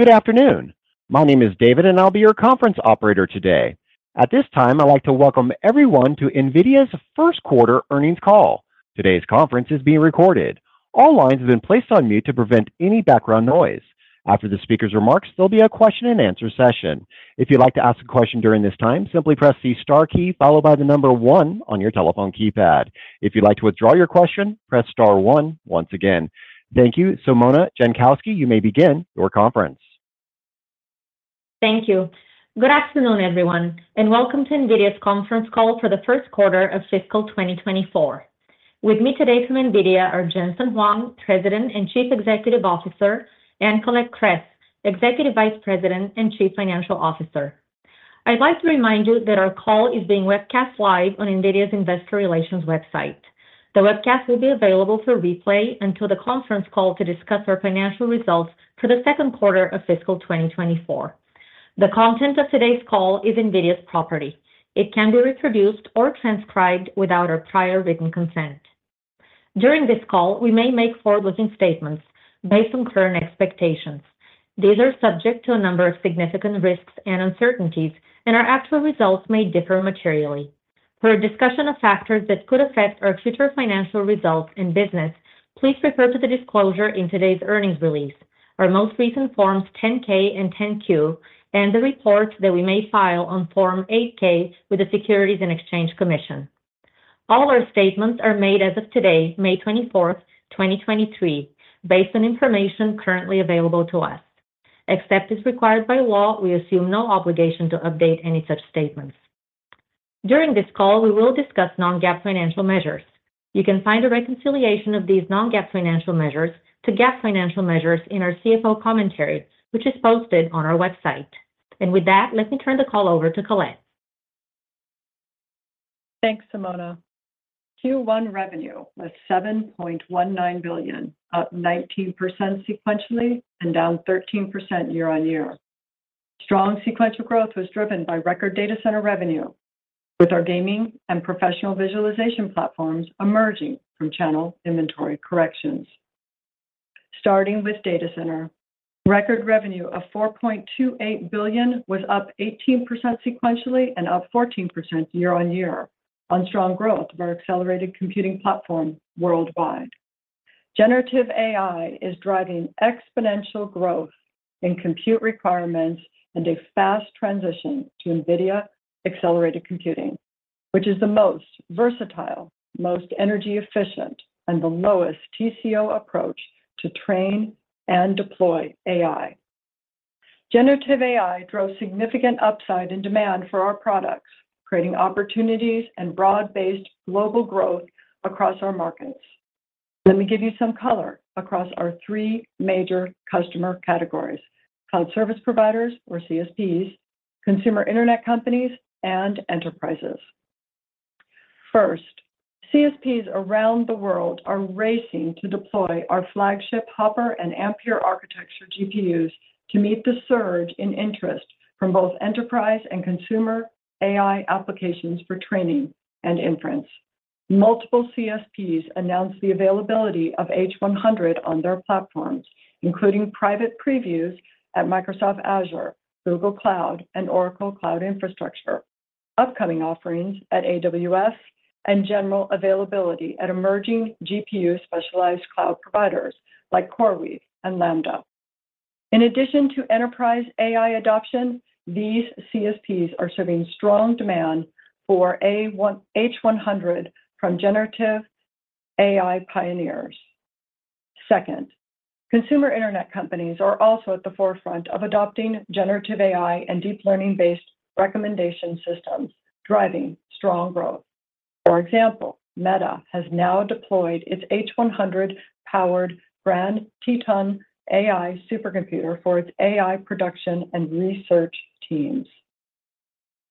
Good afternoon. My name is David, and I'll be your conference operator today. At this time, I'd like to welcome everyone to NVIDIA's first quarter earnings call. Today's conference is being recorded. All lines have been placed on mute to prevent any background noise. After the speaker's remarks, there'll be a question and answer session. If you'd like to ask a question during this time, simply press the star key followed by the number one on your telephone keypad. If you'd like to withdraw your question, press star one once again. Thank you. Simona Jankowski, you may begin your conference. Thank you. Good afternoon, everyone, welcome to NVIDIA's conference call for the first quarter of fiscal 2024. With me today from NVIDIA are Jensen Huang, President and Chief Executive Officer, and Colette Kress, Executive Vice President and Chief Financial Officer. I'd like to remind you that our call is being webcast live on NVIDIA's investor relations website. The webcast will be available for replay until the conference call to discuss our financial results for the second quarter of fiscal 2024. The content of today's call is NVIDIA's property. It can't be reproduced or transcribed without our prior written consent. During this call, we may make forward-looking statements based on current expectations. These are subject to a number of significant risks and uncertainties, our actual results may differ materially. For a discussion of factors that could affect our future financial results and business, please refer to the disclosure in today's earnings release, our most recent Forms 10-K and 10-Q, and the reports that we may file on Form 8-K with the Securities and Exchange Commission. All our statements are made as of today, May 24, 2023, based on information currently available to us. Except as required by law, we assume no obligation to update any such statements. During this call, we will discuss non-GAAP financial measures. You can find a reconciliation of these non-GAAP financial measures to GAAP financial measures in our CFO commentary, which is posted on our website. With that, let me turn the call over to Colette. Thanks, Simona. Q1 revenue was $7.19 billion, up 19% sequentially and down 13% year-on-year. Strong sequential growth was driven by record data center revenue, with our gaming and professional visualization platforms emerging from channel inventory corrections. Starting with data center, record revenue of $4.28 billion was up 18% sequentially and up 14% year-on-year on strong growth of our accelerated computing platform worldwide. Generative AI is driving exponential growth in compute requirements and a fast transition to NVIDIA accelerated computing. Which is the most versatile, most energy efficient, and the lowest TCO approach to train and deploy AI. Generative AI drove significant upside in demand for our products, creating opportunities and broad-based global growth across our markets. Let me give you some color across our three major customer categories: cloud service providers or CSPs, consumer internet companies, and enterprises. CSPs around the world are racing to deploy our flagship Hopper and Ampere architecture GPUs to meet the surge in interest from both enterprise and consumer AI applications for training and inference. Multiple CSPs announced the availability of H100 on their platforms, including private previews at Microsoft Azure, Google Cloud, and Oracle Cloud Infrastructure, upcoming offerings at AWS and general availability at emerging GPU specialized cloud providers like CoreWeave and Lambda. In addition to enterprise AI adoption, these CSPs are serving strong demand for H100 from generative AI pioneers. consumer internet companies are also at the forefront of adopting generative AI and deep learning-based recommendation systems, driving strong growth. For example, Meta has now deployed its H100-powered Grand Teton AI supercomputer for its AI production and research teams.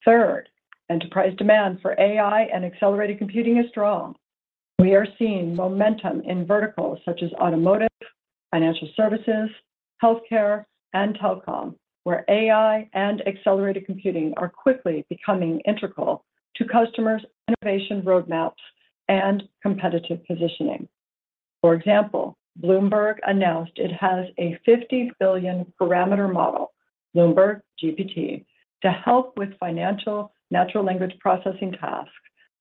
enterprise demand for AI and accelerated computing is strong. We are seeing momentum in verticals such as automotive, financial services, healthcare, and telecom, where AI and accelerated computing are quickly becoming integral to customers' innovation roadmaps and competitive positioning. For example, Bloomberg announced it has a 50 billion parameter model, BloombergGPT, to help with financial natural language processing tasks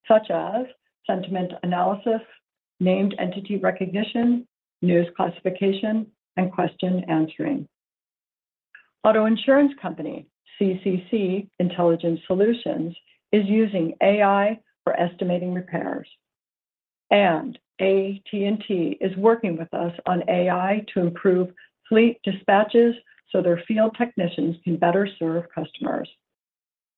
such as sentiment analysis, named entity recognition, news classification, and question answering. Auto insurance company CCC Intelligent Solutions is using AI for estimating repairs, and AT&T is working with us on AI to improve fleet dispatches so their field technicians can better serve customers.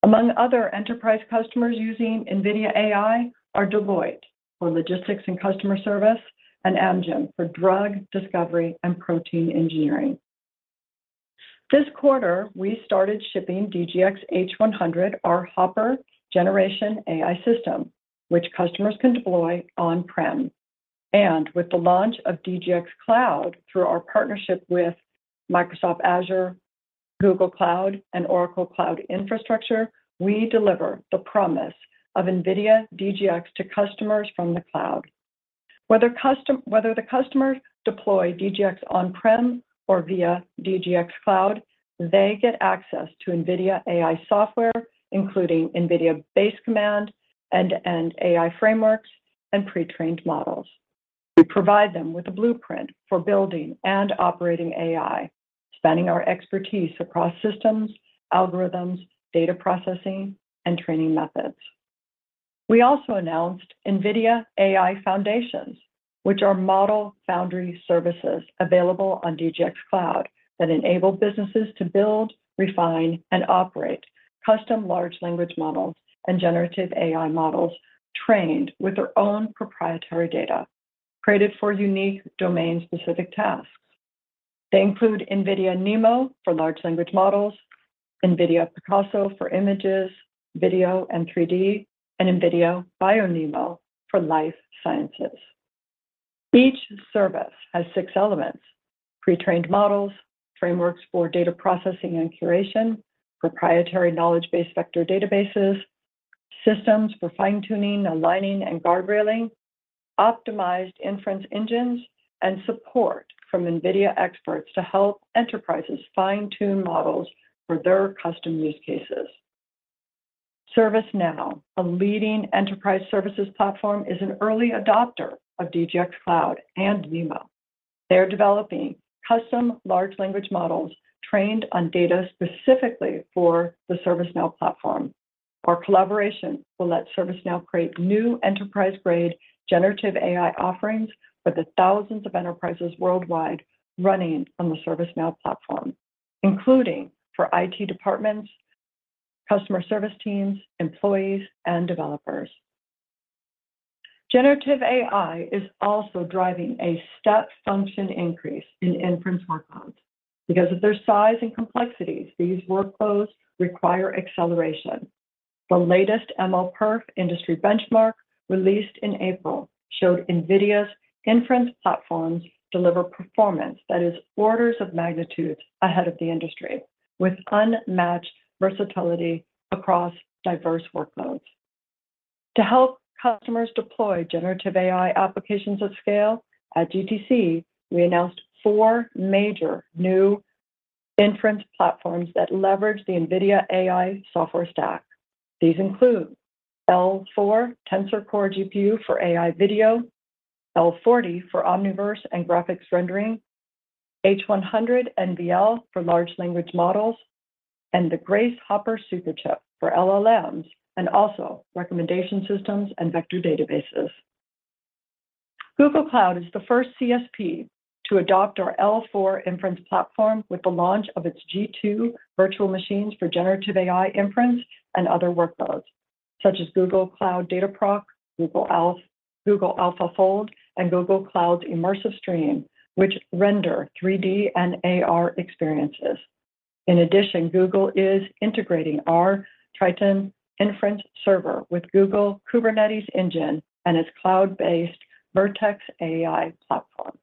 Among other enterprise customers using NVIDIA AI are Deloitte for logistics and customer service, and Amgen for drug discovery and protein engineering. This quarter, we started shipping DGX H100, our Hopper generation AI system, which customers can deploy on-prem. With the launch of DGX Cloud through our partnership with Microsoft Azure, Google Cloud, and Oracle Cloud Infrastructure, we deliver the promise of NVIDIA DGX to customers from the cloud. Whether the customer deploy DGX on-prem or via DGX Cloud, they get access to NVIDIA AI software, including NVIDIA Base Command end-to-end AI frameworks and pre-trained models. We provide them with a blueprint for building and operating AI, spanning our expertise across systems, algorithms, data processing, and training methods. We also announced NVIDIA AI Foundations, which are model foundry services available on DGX Cloud that enable businesses to build, refine, and operate custom large language models and generative AI models trained with their own proprietary data, created for unique domain-specific tasks. They include NVIDIA NeMo for large language models, NVIDIA Picasso for images, video, and 3D, and NVIDIA BioNeMo for life sciences. Each service has six elements: pre-trained models, frameworks for data processing and curation, proprietary knowledge base vector databases, systems for fine-tuning, aligning, and guard railing, optimized inference engines, and support from NVIDIA experts to help enterprises fine-tune models for their custom use cases. ServiceNow, a leading enterprise services platform, is an early adopter of DGX Cloud and NeMo. They are developing custom large language models trained on data specifically for the ServiceNow platform. Our collaboration will let ServiceNow create new enterprise-grade generative AI offerings for the thousands of enterprises worldwide running on the ServiceNow platform, including for IT departments, customer service teams, employees, and developers. Generative AI is also driving a step function increase in inference workloads. Because of their size and complexities, these workloads require acceleration. The latest MLPerf industry benchmark released in April showed NVIDIA's inference platforms deliver performance that is orders of magnitude ahead of the industry, with unmatched versatility across diverse workloads. To help customers deploy generative AI applications at scale, at GTC, we announced four major new inference platforms that leverage the NVIDIA AI software stack. These include L4 Tensor Core GPU for AI video, L40 for Omniverse and graphics rendering, H100 NVL for large language models, and the Grace Hopper Superchip for LLMs, and also recommendation systems and vector databases. Google Cloud is the first CSP to adopt our L4 inference platform with the launch of its G2 virtual machines for generative AI inference and other workloads, such as Google Cloud Dataproc, Google AlphaFold, and Google Cloud's Immersive Stream, which render 3D and AR experiences. Google is integrating our Triton Inference Server with Google Kubernetes Engine and its cloud-based Vertex AI platform.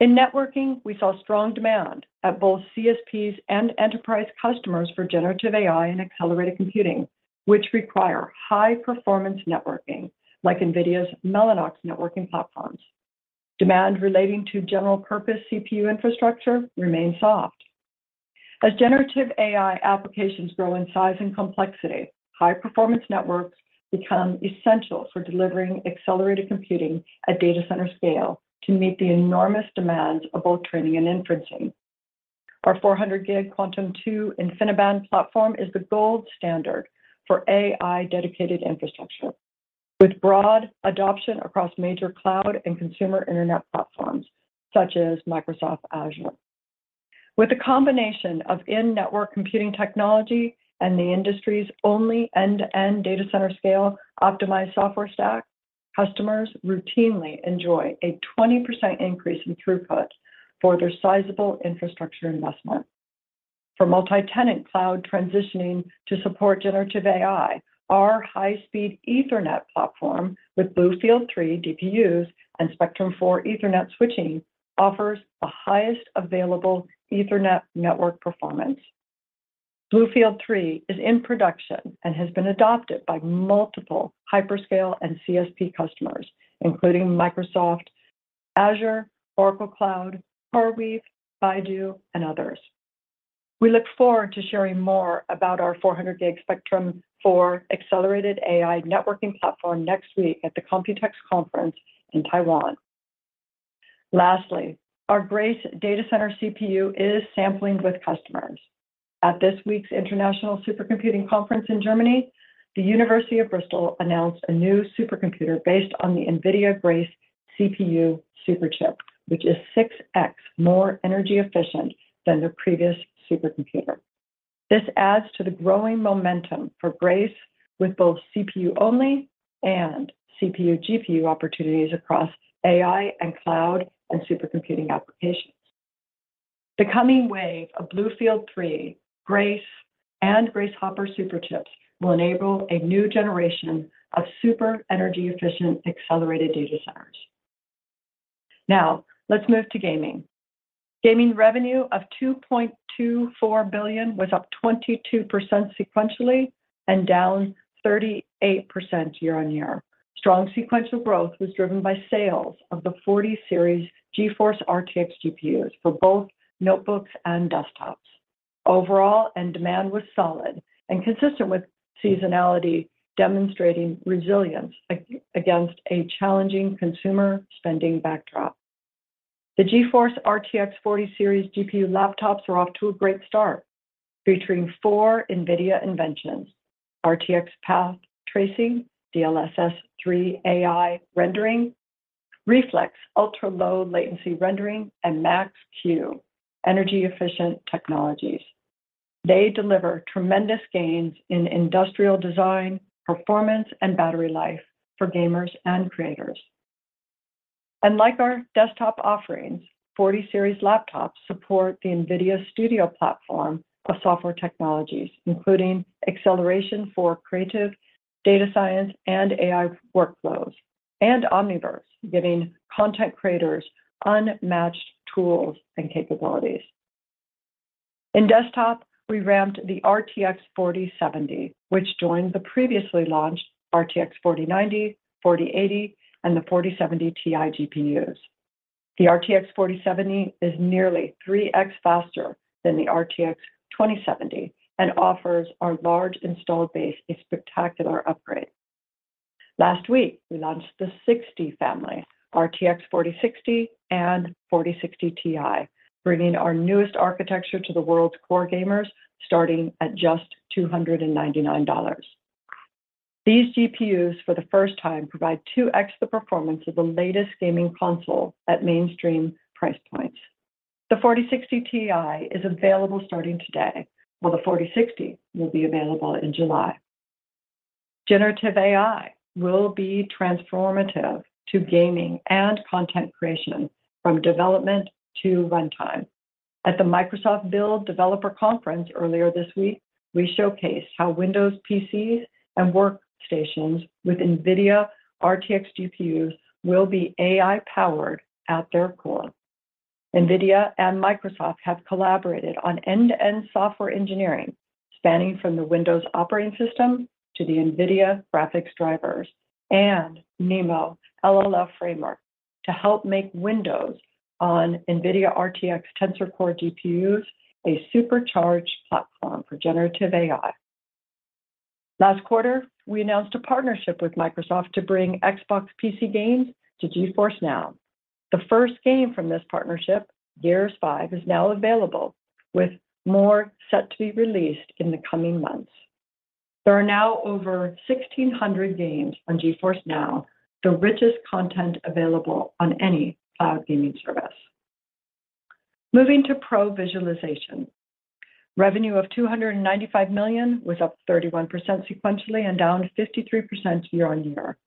In networking, we saw strong demand at both CSPs and enterprise customers for generative AI and accelerated computing, which require high-performance networking like NVIDIA's Mellanox networking platforms. Demand relating to general purpose CPU infrastructure remains soft. As generative AI applications grow in size and complexity, high-performance networks become essential for delivering accelerated computing at data center scale to meet the enormous demands of both training and inferencing. Our 400 G Quantum-2 InfiniBand platform is the gold standard for AI-dedicated infrastructure with broad adoption across major cloud and consumer internet platforms such as Microsoft Azure. With the combination of in-network computing technology and the industry's only end-to-end data center scale optimized software stack, customers routinely enjoy a 20% increase in throughput for their sizable infrastructure investment. For multi-tenant cloud transitioning to support generative AI, our high-speed Ethernet platform with BlueField-3 DPUs and Spectrum-4 Ethernet switching offers the highest available Ethernet network performance. BlueField-3 is in production and has been adopted by multiple hyperscale and CSP customers, including Microsoft Azure, Oracle Cloud, Huawei, Baidu, and others. We look forward to sharing more about our 400 G Spectrum-4 accelerated AI networking platform next week at the Computex Conference in Taiwan. Lastly, our Grace Data Center CPU is sampling with customers. At this week's International Supercomputing Conference in Germany, the University of Bristol announced a new supercomputer based on the NVIDIA Grace CPU Superchip, which is 6x more energy efficient than their previous supercomputer. This adds to the growing momentum for Grace with both CPU only and CPU GPU opportunities across AI and cloud and supercomputing applications. The coming wave of BlueField-3, Grace, and Grace Hopper Superchips will enable a new generation of super energy-efficient accelerated data centers. Let's move to gaming. Gaming revenue of $2.24 billion was up 22% sequentially and down 38% year-on-year. Strong sequential growth was driven by sales of the 40 series GeForce RTX GPUs for both notebooks and desktops. Overall end demand was solid and consistent with seasonality, demonstrating resilience against a challenging consumer spending backdrop. The GeForce RTX 40 series GPU laptops are off to a great start, featuring four NVIDIA inventions: RTX path tracing, DLSS3 AI rendering, Reflex ultra-low latency rendering, and Max-Q energy-efficient technologies. They deliver tremendous gains in industrial design, performance, and battery life for gamers and creators. Like our desktop offerings, 40 series laptops support the NVIDIA Studio platform of software technologies, including acceleration for creative data science and AI workflows, and Omniverse, giving content creators unmatched tools and capabilities. In desktop, we ramped the RTX 4070, which joined the previously launched RTX 4090, 4080, and the 4070 Ti GPUs. The RTX 4070 is nearly 3x faster than the RTX 2070 and offers our large installed base a spectacular upgrade. Last week, we launched the 60 family, RTX 4060 and 4060 Ti, bringing our newest architecture to the world's core gamers, starting at just $299. These GPUs, for the first time, provide 2x the performance of the latest gaming console at mainstream price points. The 4060 Ti is available starting today, while the 4060 will be available in July. Generative AI will be transformative to gaming and content creation from development to runtime. At the Microsoft Build developer conference earlier this week, we showcased how Windows PCs and workstations with NVIDIA RTX GPUs will be AI-powered at their core. NVIDIA and Microsoft have collaborated on end-to-end software engineering, spanning from the Windows operating system to the NVIDIA graphics drivers and NeMo LLM framework to help make Windows on NVIDIA RTX Tensor Core GPUs a supercharged platform for generative AI. Last quarter, we announced a partnership with Microsoft to bring Xbox PC games to GeForce NOW. The first game from this partnership, Gears 5, is now available, with more set to be released in the coming months. There are now over 1,600 games on GeForce NOW, the richest content available on any cloud gaming service. Moving to pro visualization. Revenue of $295 million was up 31% sequentially and down 53% year-on-year.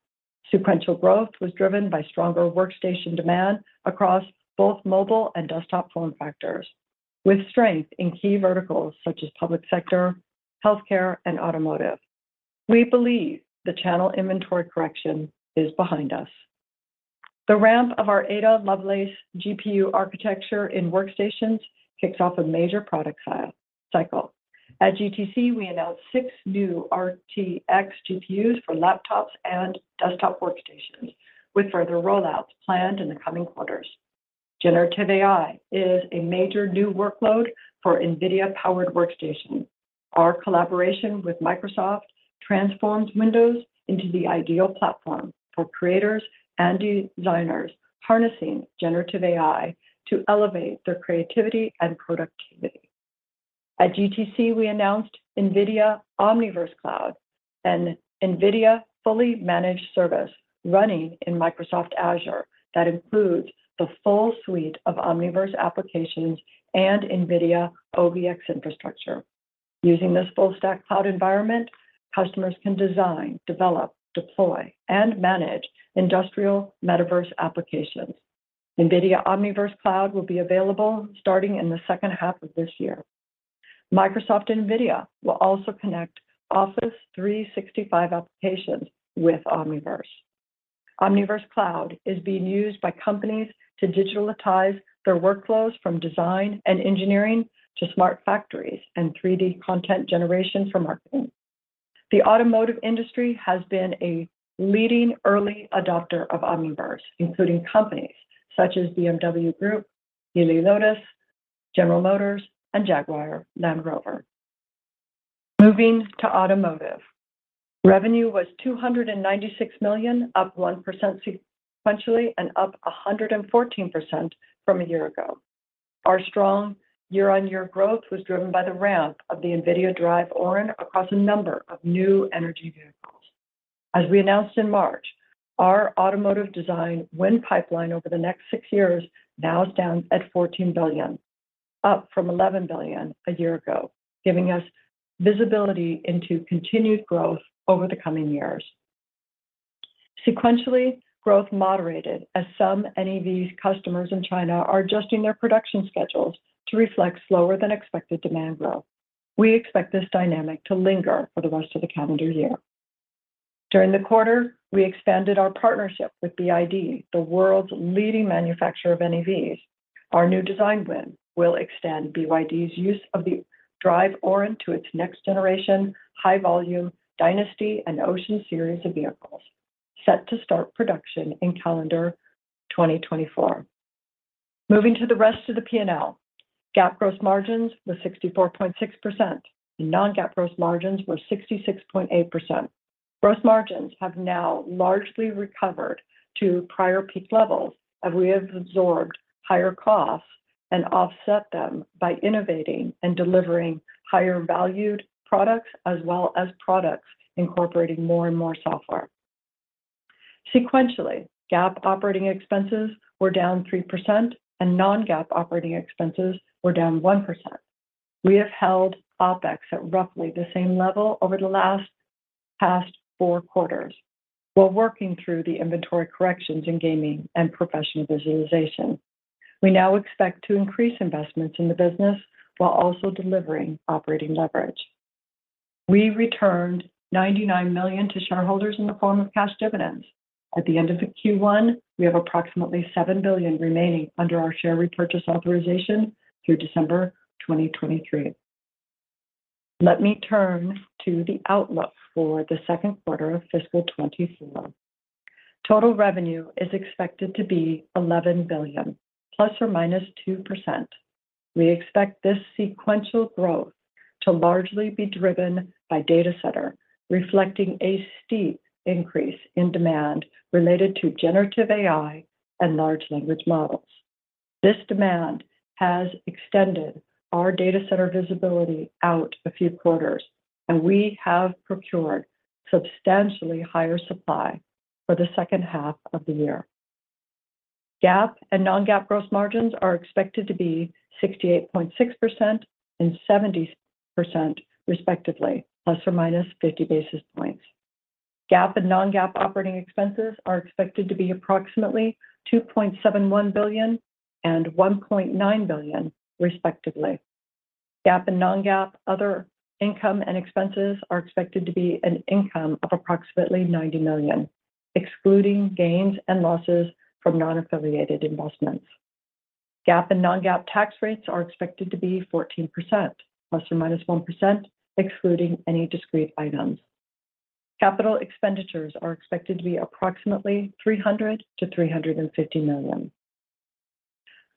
Sequential growth was driven by stronger workstation demand across both mobile and desktop form factors, with strength in key verticals such as public sector, healthcare, and automotive. We believe the channel inventory correction is behind us. The ramp of our Ada Lovelace GPU architecture in workstations kicks off a major product cycle. At GTC, we announced six new RTX GPUs for laptops and desktop workstations with further rollouts planned in the coming quarters. Generative AI is a major new workload for NVIDIA-powered workstations. Our collaboration with Microsoft transforms Windows into the ideal platform for creators and designers harnessing generative AI to elevate their creativity and productivity. At GTC, we announced NVIDIA Omniverse Cloud, an NVIDIA fully managed service running in Microsoft Azure that includes the full suite of Omniverse applications and NVIDIA OVX infrastructure. Using this full stack cloud environment, customers can design, develop, deploy, and manage industrial metaverse applications. NVIDIA Omniverse Cloud will be available starting in the second half of this year. Microsoft and NVIDIA will also connect Office 365 applications with Omniverse. Omniverse Cloud is being used by companies to digitalize their workflows from design and engineering to smart factories and 3D content generation for marketing. The automotive industry has been a leading early adopter of Omniverse, including companies such as BMW Group, Lotus, General Motors, and Jaguar Land Rover. Moving to automotive. Revenue was $296 million, up 1% sequentially and up 114% from a year-ago. Our strong year-on-year growth was driven by the ramp of the NVIDIA DRIVE Orin across a number of new energy vehicles. As we announced in March, our automotive design win pipeline over the next six years now stands at $14 billion, up from $11 billion a year ago, giving us visibility into continued growth over the coming years. Sequentially, growth moderated as some NEV customers in China are adjusting their production schedules to reflect slower than expected demand growth. We expect this dynamic to linger for the rest of the calendar year. During the quarter, we expanded our partnership with BYD, the world's leading manufacturer of NEVs. Our new design win will extend BYD's use of the DRIVE Orin to its next generation high-volume Dynasty and Ocean series of vehicles set to start production in calendar 2024. Moving to the rest of the P&L. GAAP gross margins were 64.6%. non-GAAP gross margins were 66.8%. Gross margins have now largely recovered to prior peak levels as we have absorbed higher costs and offset them by innovating and delivering higher valued products as well as products incorporating more and more software. Sequentially, GAAP operating expenses were down 3% and non-GAAP operating expenses were down 1%. We have held OpEx at roughly the same level over the last past four quarters while working through the inventory corrections in gaming and professional visualization. We now expect to increase investments in the business while also delivering operating leverage. We returned $99 million to shareholders in the form of cash dividends. At the end of the Q1, we have approximately $7 billion remaining under our share repurchase authorization through December 2023. Let me turn to the outlook for the second quarter of fiscal 2024. Total revenue is expected to be $11 billion ±2%. We expect this sequential growth to largely be driven by data center, reflecting a steep increase in demand related to generative AI and large language models. This demand has extended our data center visibility out a few quarters, and we have procured substantially higher supply for the second half of the year. GAAP and non-GAAP gross margins are expected to be 68.6% and 70% respectively, ±50 basis points. GAAP and non-GAAP OpEx are expected to be approximately $2.71 billion and $1.9 billion respectively. GAAP and non-GAAP other income and expenses are expected to be an income of approximately $90 million, excluding gains and losses from non-affiliated investments. GAAP and non-GAAP tax rates are expected to be 14% ±1%, excluding any discrete items. Capital expenditures are expected to be approximately $300 million-$350 million.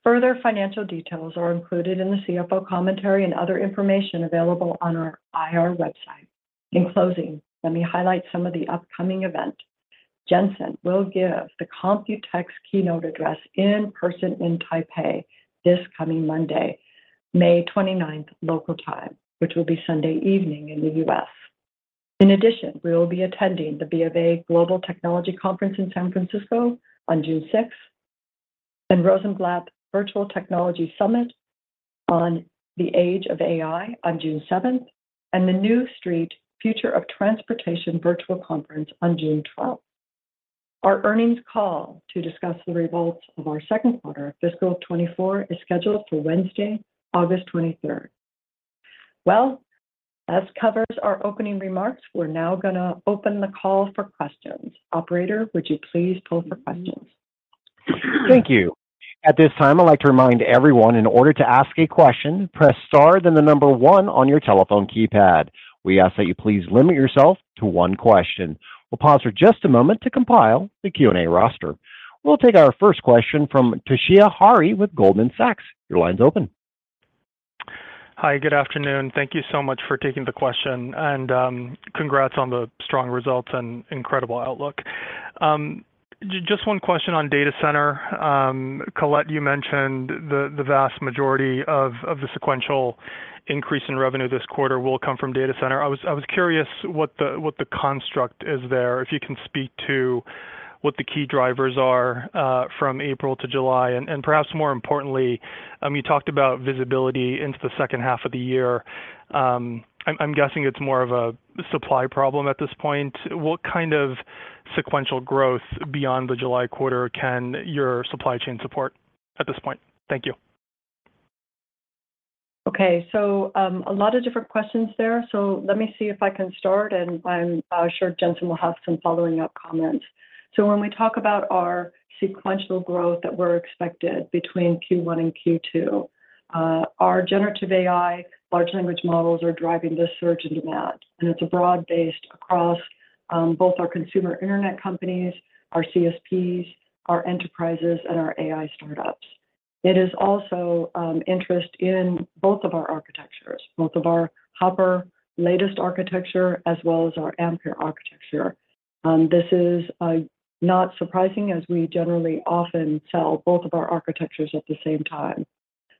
Further financial details are included in the CFO commentary and other information available on our IR website. In closing, let me highlight some of the upcoming events. Jensen will give the Computex keynote address in person in Taipei this coming Monday, May 29th local time, which will be Sunday evening in the U.S. In addition, we will be attending the BofA Global Technology Conference in San Francisco on June 6th, and Rosenblatt Virtual Technology Summit on the Age of AI on June 7th, and the New Street Future of Transportation Virtual Conference on June 12th. Our earnings call to discuss the results of our second quarter of fiscal 2024 is scheduled for Wednesday, August 23rd. Well, that covers our opening remarks. We're now going to open the call for questions. Operator, would you please pull for questions? Thank you. At this time, I'd like to remind everyone in order to ask a question, press star, then the number one on your telephone keypad. We ask that you please limit yourself to one question. We'll pause for just a moment to compile the Q&A roster. We'll take our first question from Toshiya Hari with Goldman Sachs. Your line's open. Hi, good afternoon. Thank you so much for taking the question, and congrats on the strong results and incredible outlook. Just one question on data center. Colette, you mentioned the vast majority of the sequential increase in revenue this quarter will come from data center. I was curious what the construct is there, if you can speak to what the key drivers are from April to July. Perhaps more importantly, you talked about visibility into the second half of the year. I'm guessing it's more of a supply problem at this point. What kind of sequential growth beyond the July quarter can your supply chain support at this point? Thank you. Okay. A lot of different questions there. Let me see if I can start, and I'm sure Jensen will have some following up comments. When we talk about our sequential growth that we're expected between Q1 and Q2, our generative AI large language models are driving this surge in demand, and it's broad-based across both our consumer internet companies, our CSPs, our enterprises, and our AI startups. It is also interest in both of our architectures, both of our Hopper latest architecture as well as our Ampere architecture. This is not surprising as we generally often sell both of our architectures at the same time.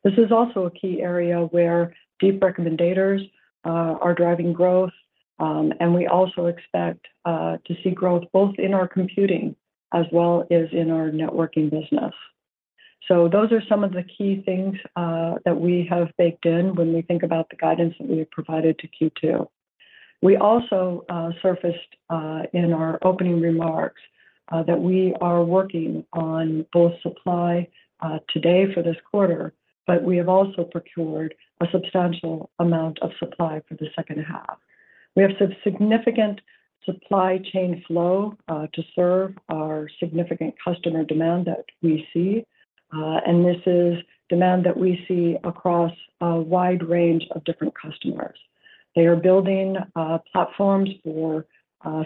This is also a key area where deep recommendators are driving growth. We also expect to see growth both in our computing as well as in our networking business. Those are some of the key things that we have baked in when we think about the guidance that we have provided to Q2. We also surfaced in our opening remarks that we are working on both supply today for this quarter, but we have also procured a substantial amount of supply for the second half. We have some significant supply chain flow to serve our significant customer demand that we see. This is demand that we see across a wide range of different customers. They are building platforms for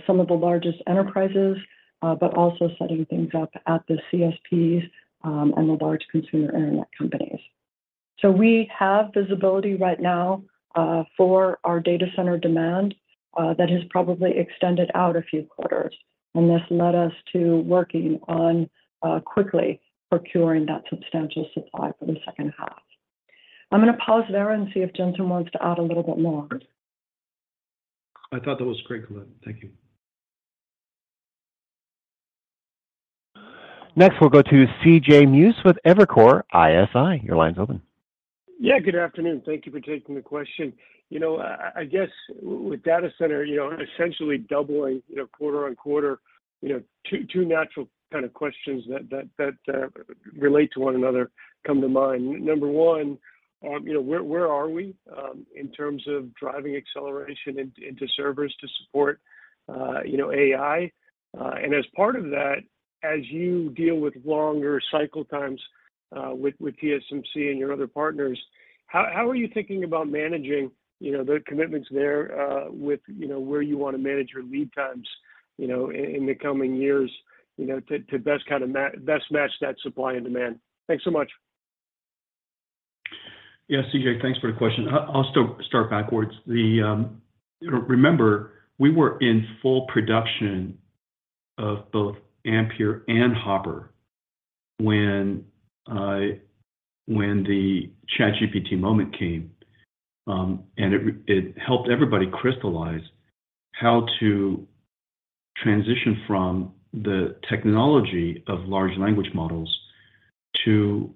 some of the largest enterprises, but also setting things up at the CSPs and the large consumer internet companies. We have visibility right now, for our data center demand, that has probably extended out a few quarters, and this led us to working on, quickly procuring that substantial supply for the second half. I'm gonna pause there and see if Jensen wants to add a little bit more. I thought that was great, Colette. Thank you. Next, we'll go to C.J. Muse with Evercore ISI. Your line's open. Yeah, good afternoon. Thank you for taking the question. You know, I guess with data center, you know, essentially doubling, you know, quarter on quarter, 2 natural kind of questions that relate to one another come to mind. Number one, you know, where are we in terms of driving acceleration into servers to support, you know, AI? As part of that, as you deal with longer cycle times, with TSMC and your other partners, how are you thinking about managing, you know, the commitments there, with, you know, where you wanna manage your lead times, in the coming years, you know, to kinda best match that supply and demand? Thanks so much. Yeah, C.J., thanks for the question. I'll start backwards. The, you know, remember, we were in full production of both Ampere and Hopper when the ChatGPT moment came. It helped everybody crystallize how to transition from the technology of large language models to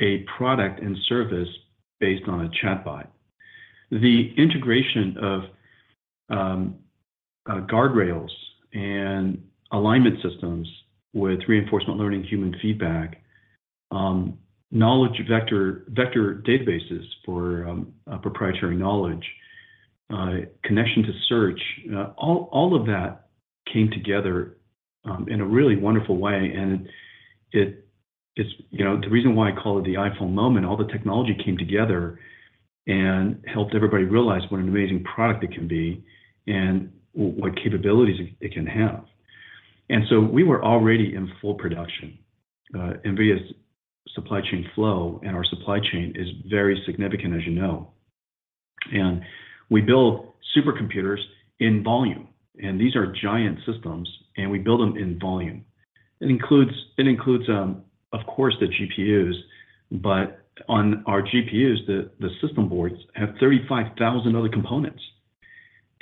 a product and service based on a chatbot. The integration of guardrails and alignment systems with reinforcement learning human feedback, knowledge vector databases for proprietary knowledge, connection to search, all of that came together in a really wonderful way. It is, you know, the reason why I call it the iPhone moment, all the technology came together and helped everybody realize what an amazing product it can be and what capabilities it can have. We were already in full production. NVIDIA's supply chain flow and our supply chain is very significant, as you know. We build supercomputers in volume, and these are giant systems, and we build them in volume. It includes, of course, the GPUs, but on our GPUs, the system boards have 35,000 other components.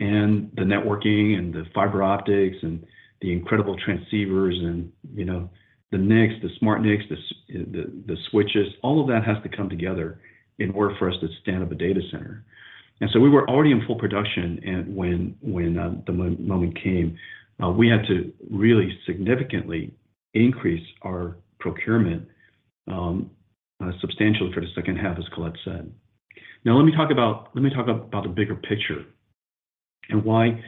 The networking and the fiber optics and the incredible transceivers and, you know, the NICs, the smart NICs, the switches, all of that has to come together in order for us to stand up a data center. We were already in full production and when the moment came. We had to really significantly increase our procurement substantially for the second half, as Colette said. Now let me talk about the bigger picture and why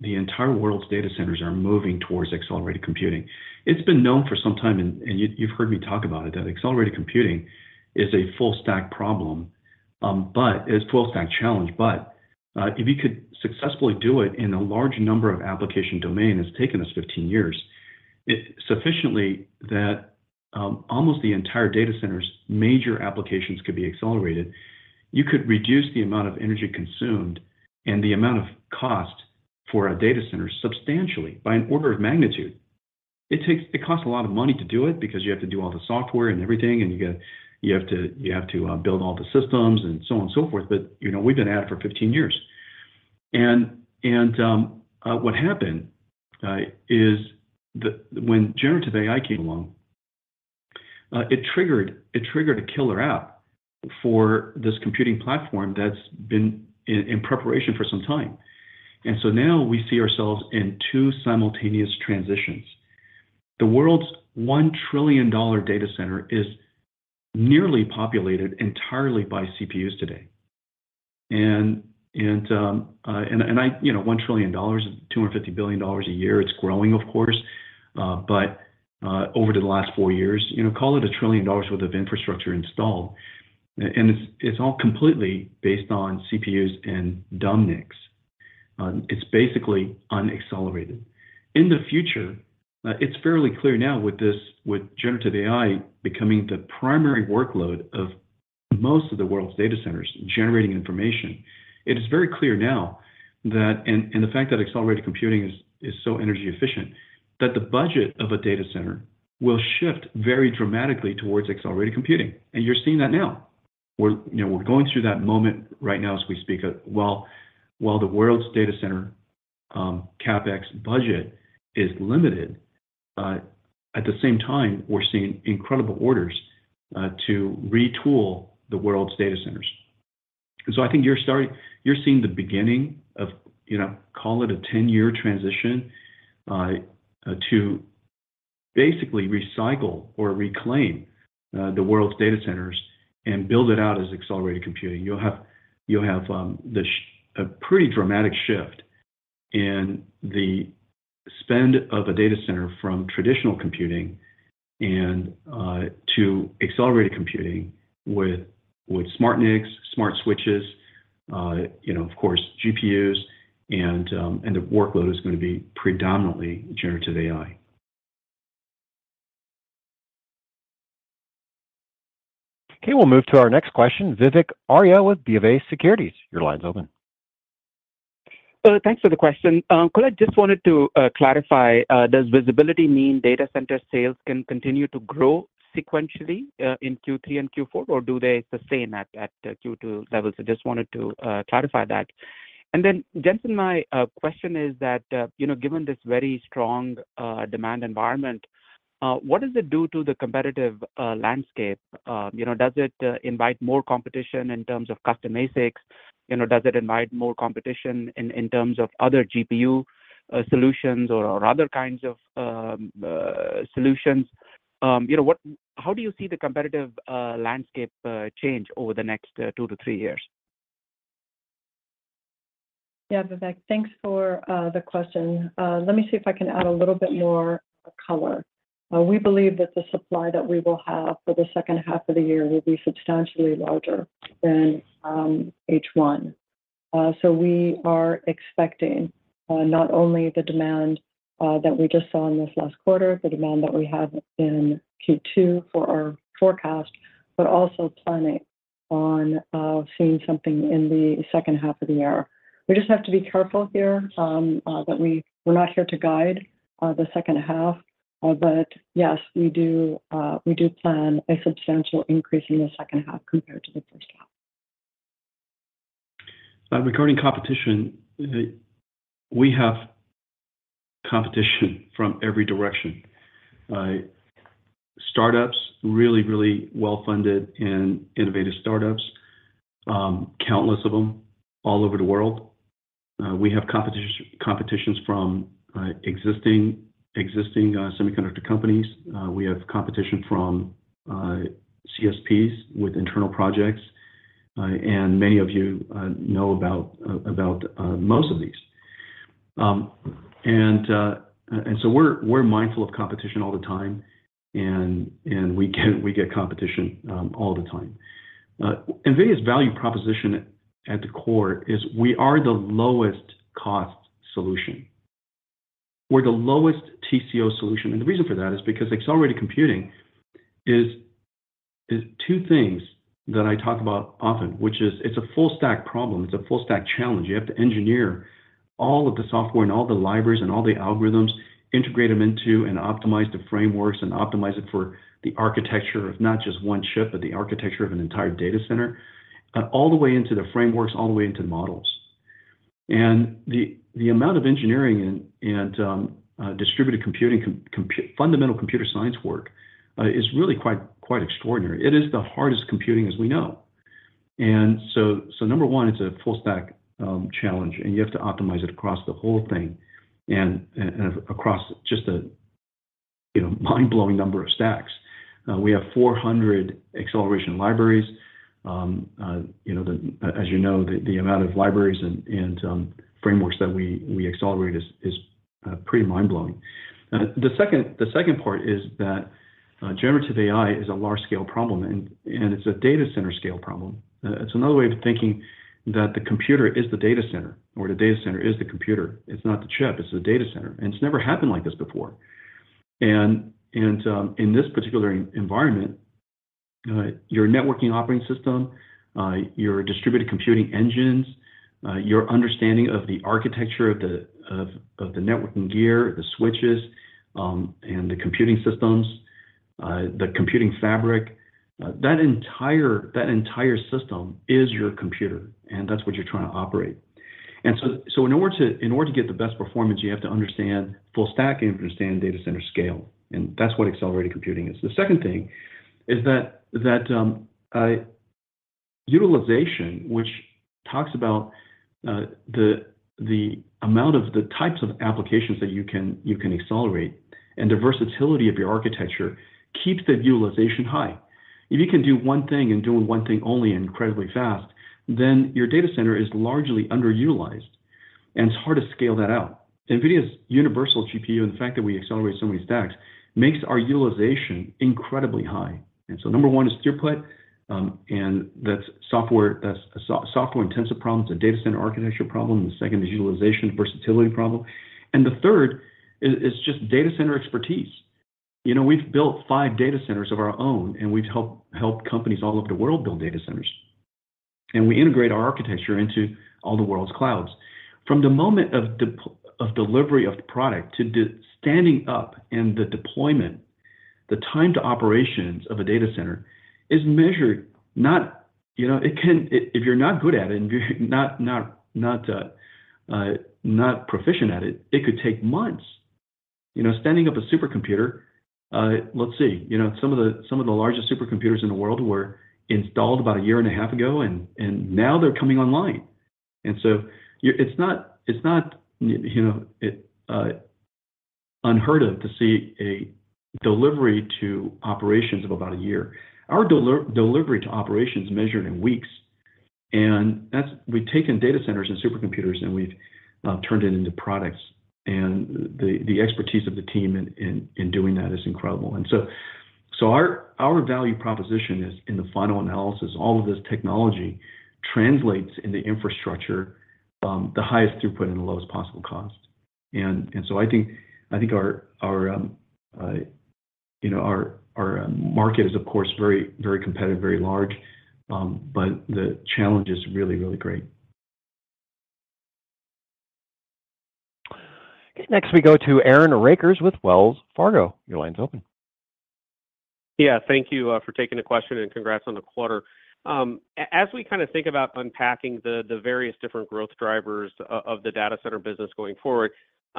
the entire world's data centers are moving towards accelerated computing. It's been known for some time, and you've heard me talk about it, that accelerated computing is a full stack problem, but it's a full stack challenge. If you could successfully do it in a large number of application domain, it's taken us 15 years, it sufficiently that almost the entire data center's major applications could be accelerated. You could reduce the amount of energy consumed and the amount of cost for a data center substantially by an order of magnitude. It costs a lot of money to do it because you have to do all the software and everything, and you have to build all the systems and so on and so forth. You know, we've been at it for 15 years. What happened is when generative AI came along, it triggered a killer app for this computing platform that's been in preparation for some time. Now we see ourselves in two simultaneous transitions. The world's $1 trillion data center is nearly populated entirely by CPUs today. And I... You know, $1 trillion is $250 billion a year. It's growing, of course. Over the last four years, you know, call it $1 trillion worth of infrastructure installed, and it's all completely based on CPUs and dumb NICs. It's basically unaccelerated. In the future, it's fairly clear now with this, with generative AI becoming the primary workload of most of the world's data centers generating information, it is very clear now that, and the fact that accelerated computing is so energy efficient, that the budget of a data center will shift very dramatically towards accelerated computing. And you're seeing that now. We're, you know, we're going through that moment right now as we speak. While, while the world's data center, CapEx budget is limited, at the same time, we're seeing incredible orders to retool the world's data centers. I think you're seeing the beginning of, you know, call it a 10-year transition to basically recycle or reclaim the world's data centers and build it out as accelerated computing. You'll have, you'll have a pretty dramatic shift in the spend of a data center from traditional computing and to accelerated computing with Smart NICs, smart switches, you know, of course, GPUs, and the workload is gonna be predominantly generative AI. Okay, we'll move to our next question. Vivek Arya with BofA Securities, your line's open. Thanks for the question. just wanted to clarify, does visibility mean data center sales can continue to grow sequentially in Q3 and Q4? Or do they sustain at Q2 levels? I just wanted to clarify that. Jensen, my question is that, you know, given this very strong demand environment, what does it do to the competitive landscape? You know, does it invite more competition in terms of custom ASICs? You know, does it invite more competition in terms of other GPU solutions or other kinds of solutions? You know, how do you see the competitive landscape change over the next two to three years? Yeah, Vivek, thanks for the question. Let me see if I can add a little bit more color. We believe that the supply that we will have for the second half of the year will be substantially larger than H1. We are expecting not only the demand that we just saw in this last quarter, the demand that we have in Q2 for our forecast, but also planning on seeing something in the second half of the year. We just have to be careful here that we're not here to guide the second half. Yes, we do, we do plan a substantial increase in the second half compared to the first half. Regarding competition, we have competition from every direction. Startups really, really well-funded and innovative startups, countless of them all over the world. We have competition from existing semiconductor companies. We have competition from CSPs with internal projects. Many of you know about most of these. We're mindful of competition all the time, and we get competition all the time. NVIDIA's value proposition at the core is we are the lowest cost solution. We're the lowest TCO solution, and the reason for that is because accelerated computing is two things that I talk about often, which is it's a full stack problem. It's a full stack challenge. You have to engineer all of the software and all the libraries and all the algorithms, integrate them into and optimize the frameworks and optimize it for the architecture of not just one chip, but the architecture of an entire data center, all the way into the frameworks, all the way into the models. The amount of engineering and distributed computing fundamental computer science work is really quite extraordinary. It is the hardest computing as we know. So number one, it's a full stack challenge, and you have to optimize it across the whole thing and across just a, you know, mind-blowing number of stacks. We have 400 acceleration libraries. you know, as you know, the amount of libraries and frameworks that we accelerate is pretty mind-blowing. The second part is that generative AI is a large scale problem and it's a data center scale problem. It's another way of thinking that the computer is the data center, or the data center is the computer. It's not the chip, it's the data center, and it's never happened like this before. In this particular environment, your networking operating system, your distributed computing engines, your understanding of the architecture of the networking gear, the switches, and the computing systems, the computing fabric, that entire system is your computer, and that's what you're trying to operate. In order to get the best performance, you have to understand full stack and understand data center scale, and that's what accelerated computing is. The second thing is that utilization, which talks about the amount of the types of applications that you can accelerate and the versatility of your architecture keeps that utilization high. If you can do one thing and doing one thing only incredibly fast, then your data center is largely underutilized, and it's hard to scale that out. NVIDIA's universal GPU and the fact that we accelerate so many stacks makes our utilization incredibly high. Number one is throughput, and that's software. That's a software intensive problem. It's a data center architecture problem. The second is utilization, versatility problem. The third is just data center expertise. You know, we've built five data centers of our own, and we've helped companies all over the world build data centers. We integrate our architecture into all the world's clouds. From the moment of delivery of the product to standing up and the deployment, the time to operations of a data center is measured, not, you know, if you're not good at it, and you're not proficient at it could take months. You know, standing up a supercomputer, let's see. You know, some of the largest supercomputers in the world were installed about a year and a half ago, and now they're coming online. It's not, you know, unheard of to see a delivery to operations of about a year. Our deli-delivery to operations measured in weeks. That's we've taken data centers and supercomputers, and we've turned it into products. The expertise of the team in doing that is incredible. So our value proposition is, in the final analysis, all of this technology translates in the infrastructure, the highest throughput and the lowest possible cost. So I think our, you know, our market is, of course, very, very competitive, very large. But the challenge is really, really great. Okay. Next, we go to Aaron Rakers with Wells Fargo. Your line's open. Yeah. Thank you for taking the question, and congrats on the quarter. As we kinda think about unpacking the various different growth drivers of the data center business going forward,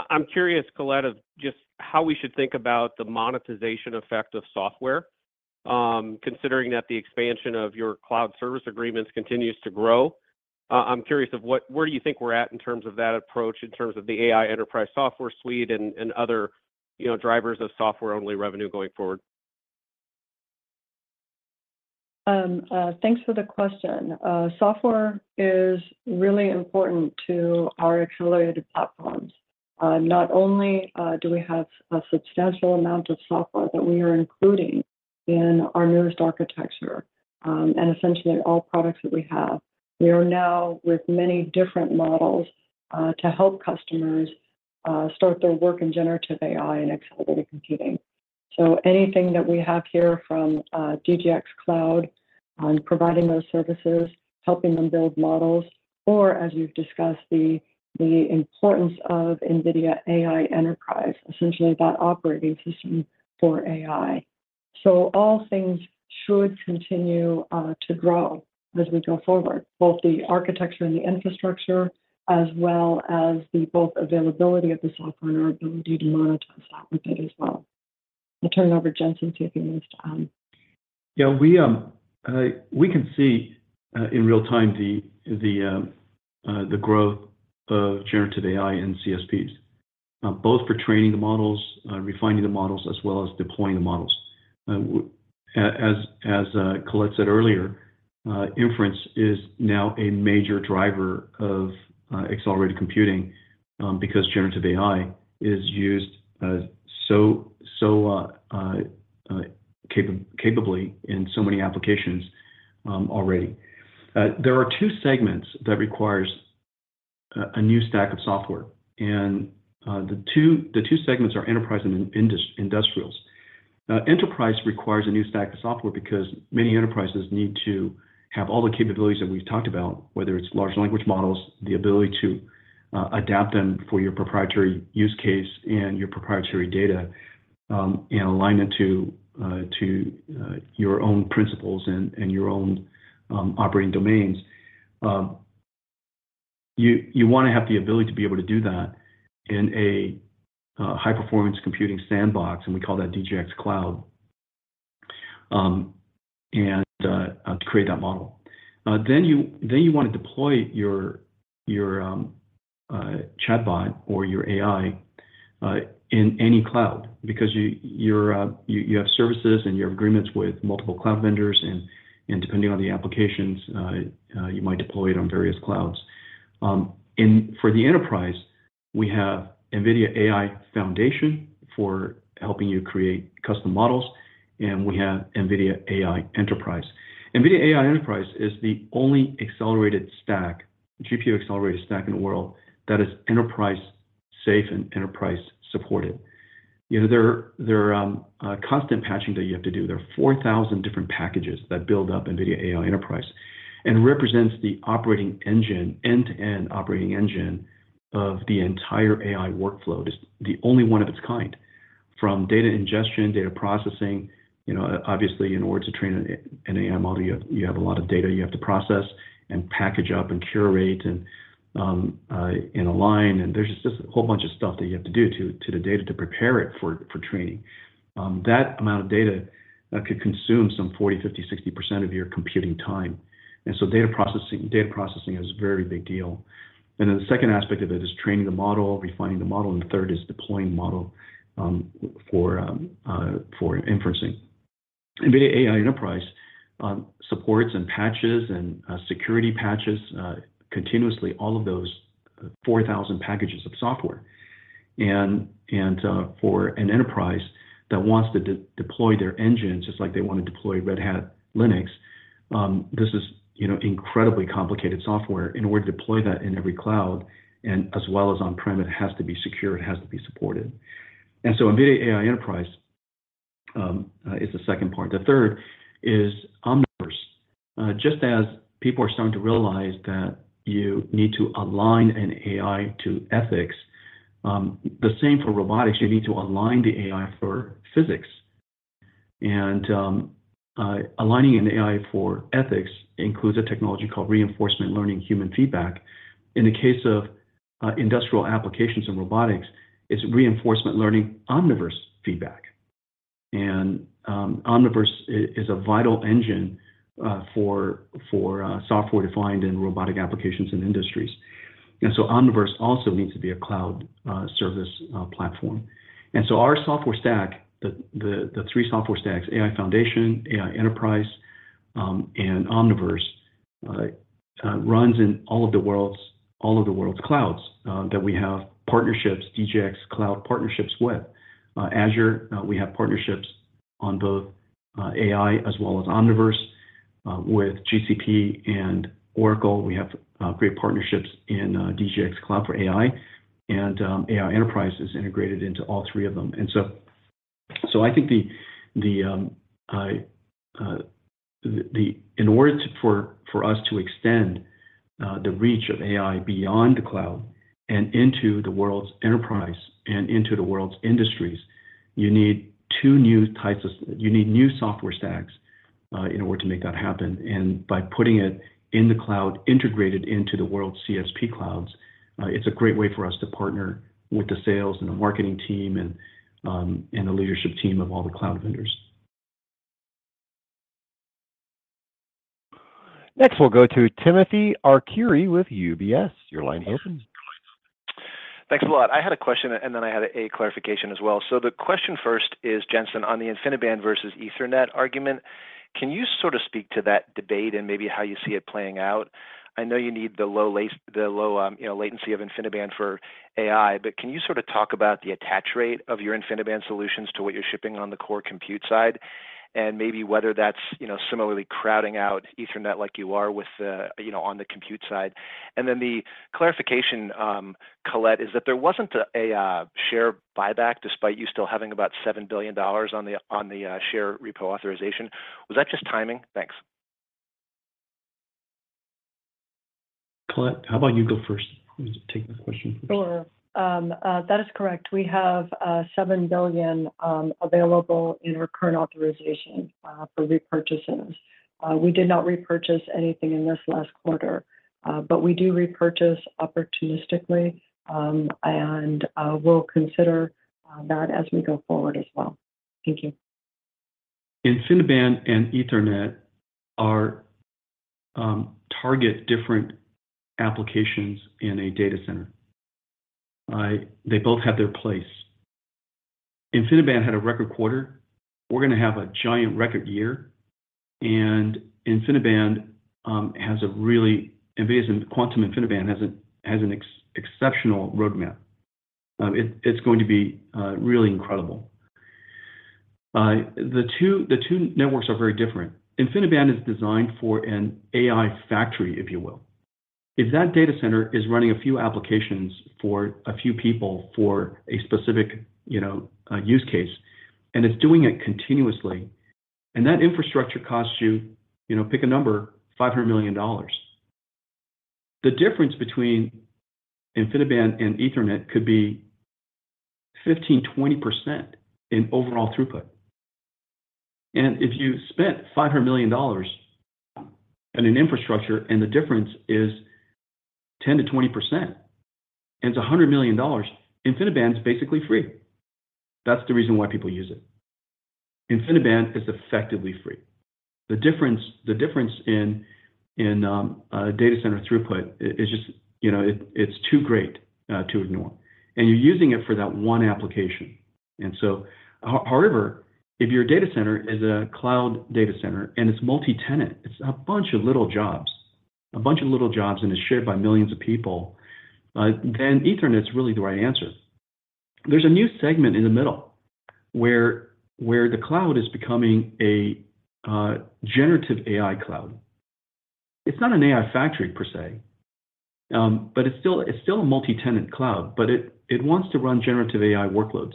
I'm curious, Colette, of just how we should think about the monetization effect of software, considering that the expansion of your cloud service agreements continues to grow. I'm curious of what where do you think we're at in terms of that approach, in terms of the AI enterprise software suite and other, you know, drivers of software-only revenue going forward? Thanks for the question. Software is really important to our accelerated platforms. Not only do we have a substantial amount of software that we are including in our newest architecture, and essentially all products that we have. We are now with many different models to help customers start their work in generative AI and accelerated computing. Anything that we have here from DGX Cloud on providing those services, helping them build models, or, as we've discussed, the importance of NVIDIA AI Enterprise, essentially that operating system for AI. All things should continue to grow as we go forward, both the architecture and the infrastructure, as well as the availability of the software and our ability to monetize that with it as well. I'll turn it over to Jensen, see if he needs to add. Yeah. We can see in real time the growth of generative AI and CSPs, both for training the models, refining the models, as well as deploying the models. As Colette said earlier, inference is now a major driver of accelerated computing, because generative AI is used so capably in so many applications already. There are two segments that requires a new stack of software, and the two segments are enterprise and industrials. enterprise requires a new stack of software because many enterprises need to have all the capabilities that we've talked about, whether it's large language models, the ability to adapt them for your proprietary use case and your proprietary data, and align it to your own principles and your own operating domains. you wanna have the ability to be able to do that in a high-performance computing sandbox, and we call that DGX Cloud, and to create that model. then you wanna deploy your chatbot or your AI in any cloud because you have services and you have agreements with multiple cloud vendors and depending on the applications, you might deploy it on various clouds. For the enterprise, we have NVIDIA AI Foundation for helping you create custom models, and we have NVIDIA AI Enterprise. NVIDIA AI Enterprise is the only accelerated stack, GPU-accelerated stack in the world that is enterprise-safe and enterprise-supported. You know, there, a constant patching that you have to do. There are 4,000 different packages that build up NVIDIA AI Enterprise and represents the operating engine, end-to-end operating engine of the entire AI workflow. This the only one of its kind from data ingestion, data processing. You know, obviously, in order to train an AI model, you have a lot of data you have to process and package up and curate and align, and there's just a whole bunch of stuff that you have to do to the data to prepare it for training. That amount of data could consume some 40%, 50%, 60% of your computing time. Data processing is a very big deal. The second aspect of it is training the model, refining the model, and the third is deploying the model for inferencing. NVIDIA AI Enterprise supports and patches and security patches continuously all of those 4,000 packages of software. For an enterprise that wants to de-deploy their engines just like they wanna deploy Red Hat Linux, this is, you know, incredibly complicated software. In order to deploy that in every cloud and as well as on-prem, it has to be secure, it has to be supported. NVIDIA AI Enterprise is the second part. The third is Omniverse. Just as people are starting to realize that you need to align an AI to ethics, the same for robotics. You need to align the AI for physics. And aligning an AI for ethics includes a technology called reinforcement learning human feedback. In the case of industrial applications and robotics, it's reinforcement learning Omniverse feedback. Omniverse is a vital engine for software-defined and robotic applications in industries. Omniverse also needs to be a cloud service platform. Our software stack, the three software stacks, AI Foundation, AI Enterprise, and Omniverse, runs in all of the world's clouds that we have partnerships, DGX Cloud partnerships with. Azure, we have partnerships on both AI as well as Omniverse with GCP and Oracle. We have great partnerships in DGX Cloud for AI and AI Enterprise is integrated into all three of them. I think in order for us to extend the reach of AI beyond the cloud and into the world's enterprise and into the world's industries, you need new software stacks in order to make that happen. By putting it in the cloud, integrated into the world CSP clouds, it's a great way for us to partner with the sales and the marketing team and the leadership team of all the cloud vendors. Next, we'll go to Timothy Arcuri with UBS. Your line is open. Thanks a lot. I had a question, and then I had a clarification as well. The question first is, Jensen, on the InfiniBand versus Ethernet argument, can you sort of speak to that debate and maybe how you see it playing out? I know you need the low, you know, latency of InfiniBand for AI, but can you sort of talk about the attach rate of your InfiniBand solutions to what you're shipping on the core compute side, and maybe whether that's, you know, similarly crowding out Ethernet like you are with the, you know, on the compute side? The clarification, Colette, is that there wasn't a share buyback despite you still having about $7 billion on the, on the, share repo authorization. Was that just timing? Thanks. Colette, how about you go first? Take the question first. Sure. That is correct. We have $7 billion available in our current authorization for repurchases. We did not repurchase anything in this last quarter, but we do repurchase opportunistically, and we'll consider that as we go forward as well. Thank you. InfiniBand and Ethernet are target different applications in a data center. They both have their place. InfiniBand had a record quarter. We're gonna have a giant record year, and InfiniBand has a really exceptional roadmap. It's going to be really incredible. The two networks are very different. InfiniBand is designed for an AI factory, if you will. If that data center is running a few applications for a few people for a specific, you know, use case, and it's doing it continuously, and that infrastructure costs you know, pick a number, $500 million. The difference between InfiniBand and Ethernet could be 15%, 20% in overall throughput. If you spent $500 million in an infrastructure and the difference is 10%-20%, and it's $100 million, InfiniBand's basically free. That's the reason why people use it. InfiniBand is effectively free. The difference in data center throughput is just, you know, it's too great to ignore. You're using it for that one application. However, if your data center is a cloud data center and it's multi-tenant, it's a bunch of little jobs, and it's shared by millions of people, then Ethernet's really the right answer. There's a new segment in the middle where the cloud is becoming a generative AI cloud. It's not an AI factory per se, but it's still a multi-tenant cloud, but it wants to run generative AI workloads.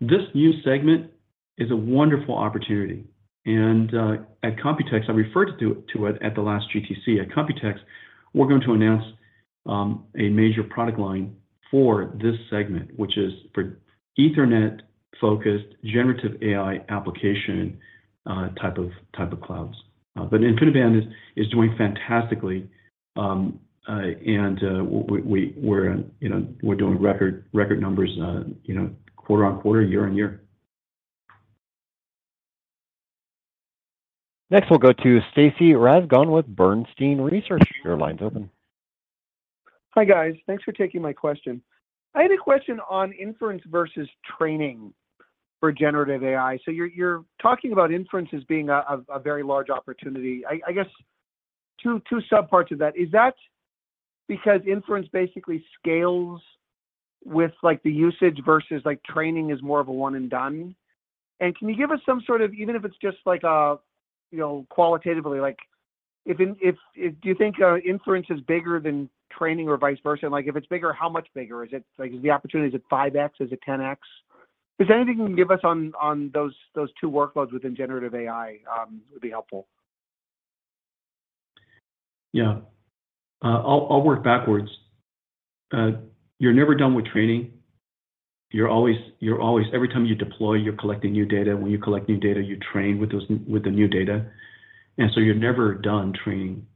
This new segment is a wonderful opportunity. At Computex, I referred to it at the last GTC. At Computex, we're going to announce a major product line for this segment, which is for Ethernet-focused generative AI application, type of clouds. InfiniBand is doing fantastically. We're, you know, we're doing record numbers, you know, quarter-on-quarter, year-on-year. Next, we'll go to Stacy Rasgon with Bernstein Research. Your line's open. Hi, guys. Thanks for taking my question. I had a question on inference versus training for generative AI. You're talking about inference as being a very large opportunity. I guess two sub-parts of that. Is that because inference basically scales with, like, the usage versus, like, training is more of a one and done? Can you give us some sort of, even if it's just like a, you know, qualitatively, like Do you think inference is bigger than training or vice versa? Like, if it's bigger, how much bigger is it? Like, is the opportunity, is it 5x? Is it 10x? Just anything you can give us on those two workloads within generative AI would be helpful. Yeah. I'll work backwards. You're never done with training. You're always every time you deploy, you're collecting new data. When you collect new data, you train with the new data. You're never done training.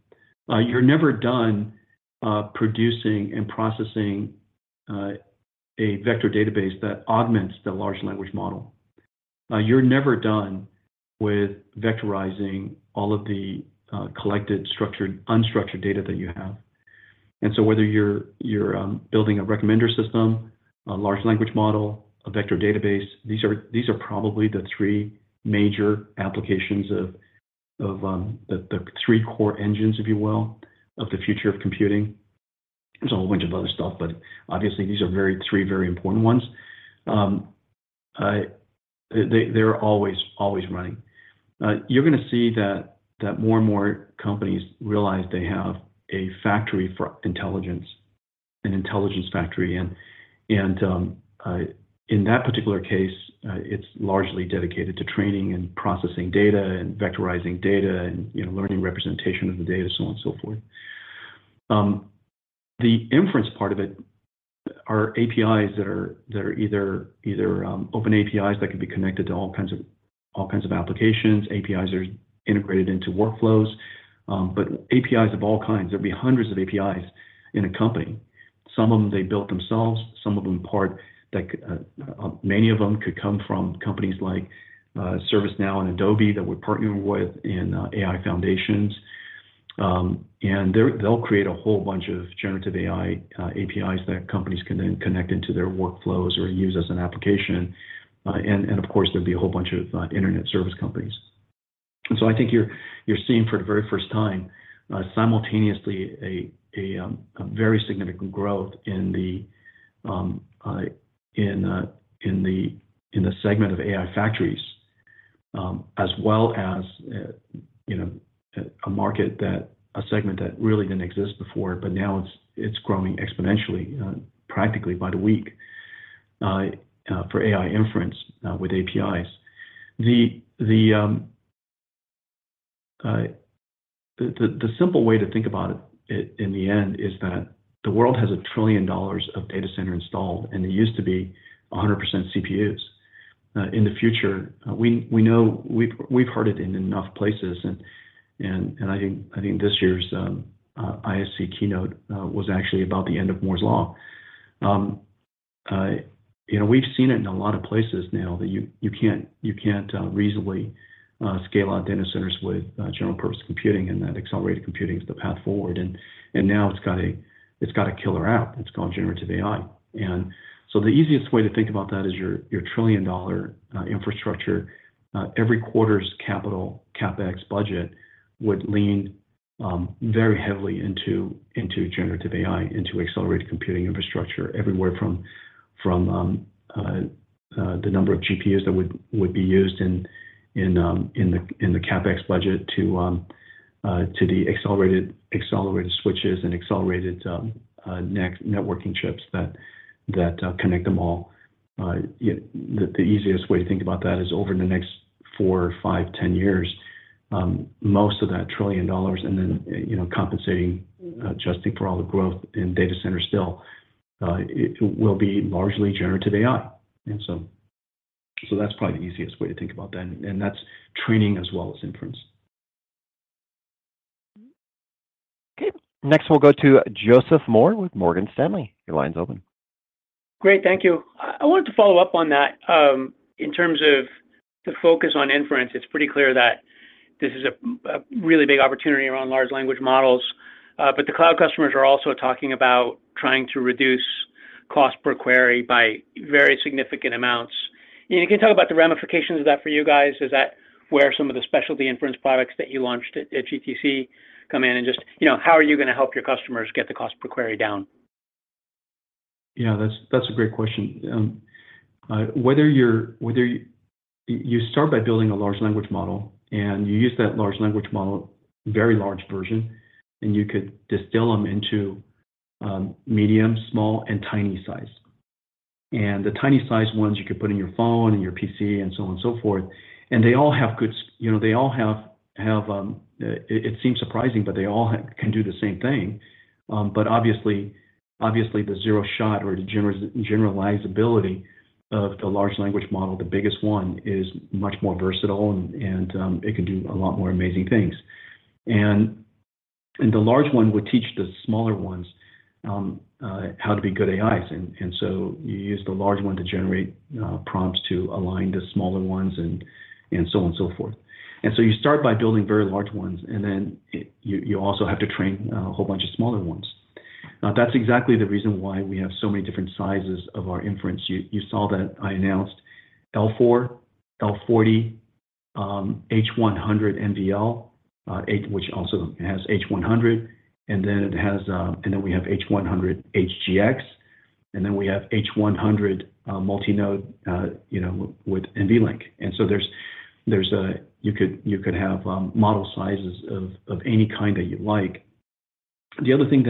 You're never done producing and processing a vector database that augments the large language model. You're never done with vectorizing all of the collected, structured, unstructured data that you have. Whether you're building a recommender system, a large language model, a vector database, these are probably the three major applications of the three core engines, if you will, of the future of computing. There's a whole bunch of other stuff, but obviously these are three very important ones. They're always running. You're gonna see that more and more companies realize they have a factory for intelligence, an intelligence factory. In that particular case, it's largely dedicated to training and processing data and vectorizing data and, you know, learning representation of the data, so on and so forth. The inference part of it are APIs that are either open APIs that can be connected to all kinds of applications. APIs are integrated into workflows. APIs of all kinds. There'll be hundreds of APIs in a company. Some of them they built themselves, some of them part like. Many of them could come from companies like ServiceNow and Adobe that we're partnering with in AI Foundations. They'll create a whole bunch of generative AI APIs that companies can then connect into their workflows or use as an application. Of course, there'd be a whole bunch of internet service companies. I think you're seeing for the very first time, simultaneously a very significant growth in the segment of AI factories, as well as, you know, a segment that really didn't exist before, but now it's growing exponentially, practically by the week, for AI inference with APIs. The simple way to think about it in the end is that the world has $1 trillion of data center installed, and it used to be 100% CPUs. In the future, we know, we've heard it in enough places, and I think this year's ISC keynote was actually about the end of Moore's Law. You know, we've seen it in a lot of places now that you can't reasonably scale out data centers with general purpose computing, and that accelerated computing is the path forward. Now it's got a killer app. It's called generative AI. The easiest way to think about that is your $1 trillion infrastructure. Every quarter's capital CapEx budget would lean very heavily into generative AI, into accelerated computing infrastructure everywhere from the number of GPUs that would be used in the CapEx budget to the accelerated switches and accelerated networking chips that connect them all. You know, the easiest way to think about that is over the next four, five, 10 years, most of that $1 trillion and then, you know, compensating, adjusting for all the growth in data centers still, it will be largely generative AI. So that's probably the easiest way to think about that. And that's training as well as inference. Okay. Next, we'll go to Joseph Moore with Morgan Stanley. Your line's open. Great. Thank you. I wanted to follow up on that. In terms of the focus on inference, it's pretty clear that this is a really big opportunity around large language models. The cloud customers are also talking about trying to reduce cost per query by very significant amounts. You can talk about the ramifications of that for you guys. Is that where some of the specialty inference products that you launched at GTC come in? Just, you know, how are you gonna help your customers get the cost per query down? Yeah, that's a great question. Whether you're, whether you start by building a large language model, you use that large language model, very large version, you could distill them into medium, small, and tiny size. The tiny size ones you could put in your phone and your PC and so on and so forth. They all have good you know, they all have, it seems surprising, but they all can do the same thing. Obviously the zero shot or the generalizability of the large language model, the biggest one, is much more versatile and it can do a lot more amazing things. The large one would teach the smaller ones how to be good AIs. You use the large one to generate prompts to align the smaller ones and so on and so forth. You start by building very large ones, and then you also have to train a whole bunch of smaller ones. Now, that's exactly the reason why we have so many different sizes of our inference. You saw that I announced L4, L40, H100 NVL, which also has H100, and then it has, and then we have H100 HGX, and then we have H100 multi-node, you know, with NVLink. You could have model sizes of any kind that you like. The other thing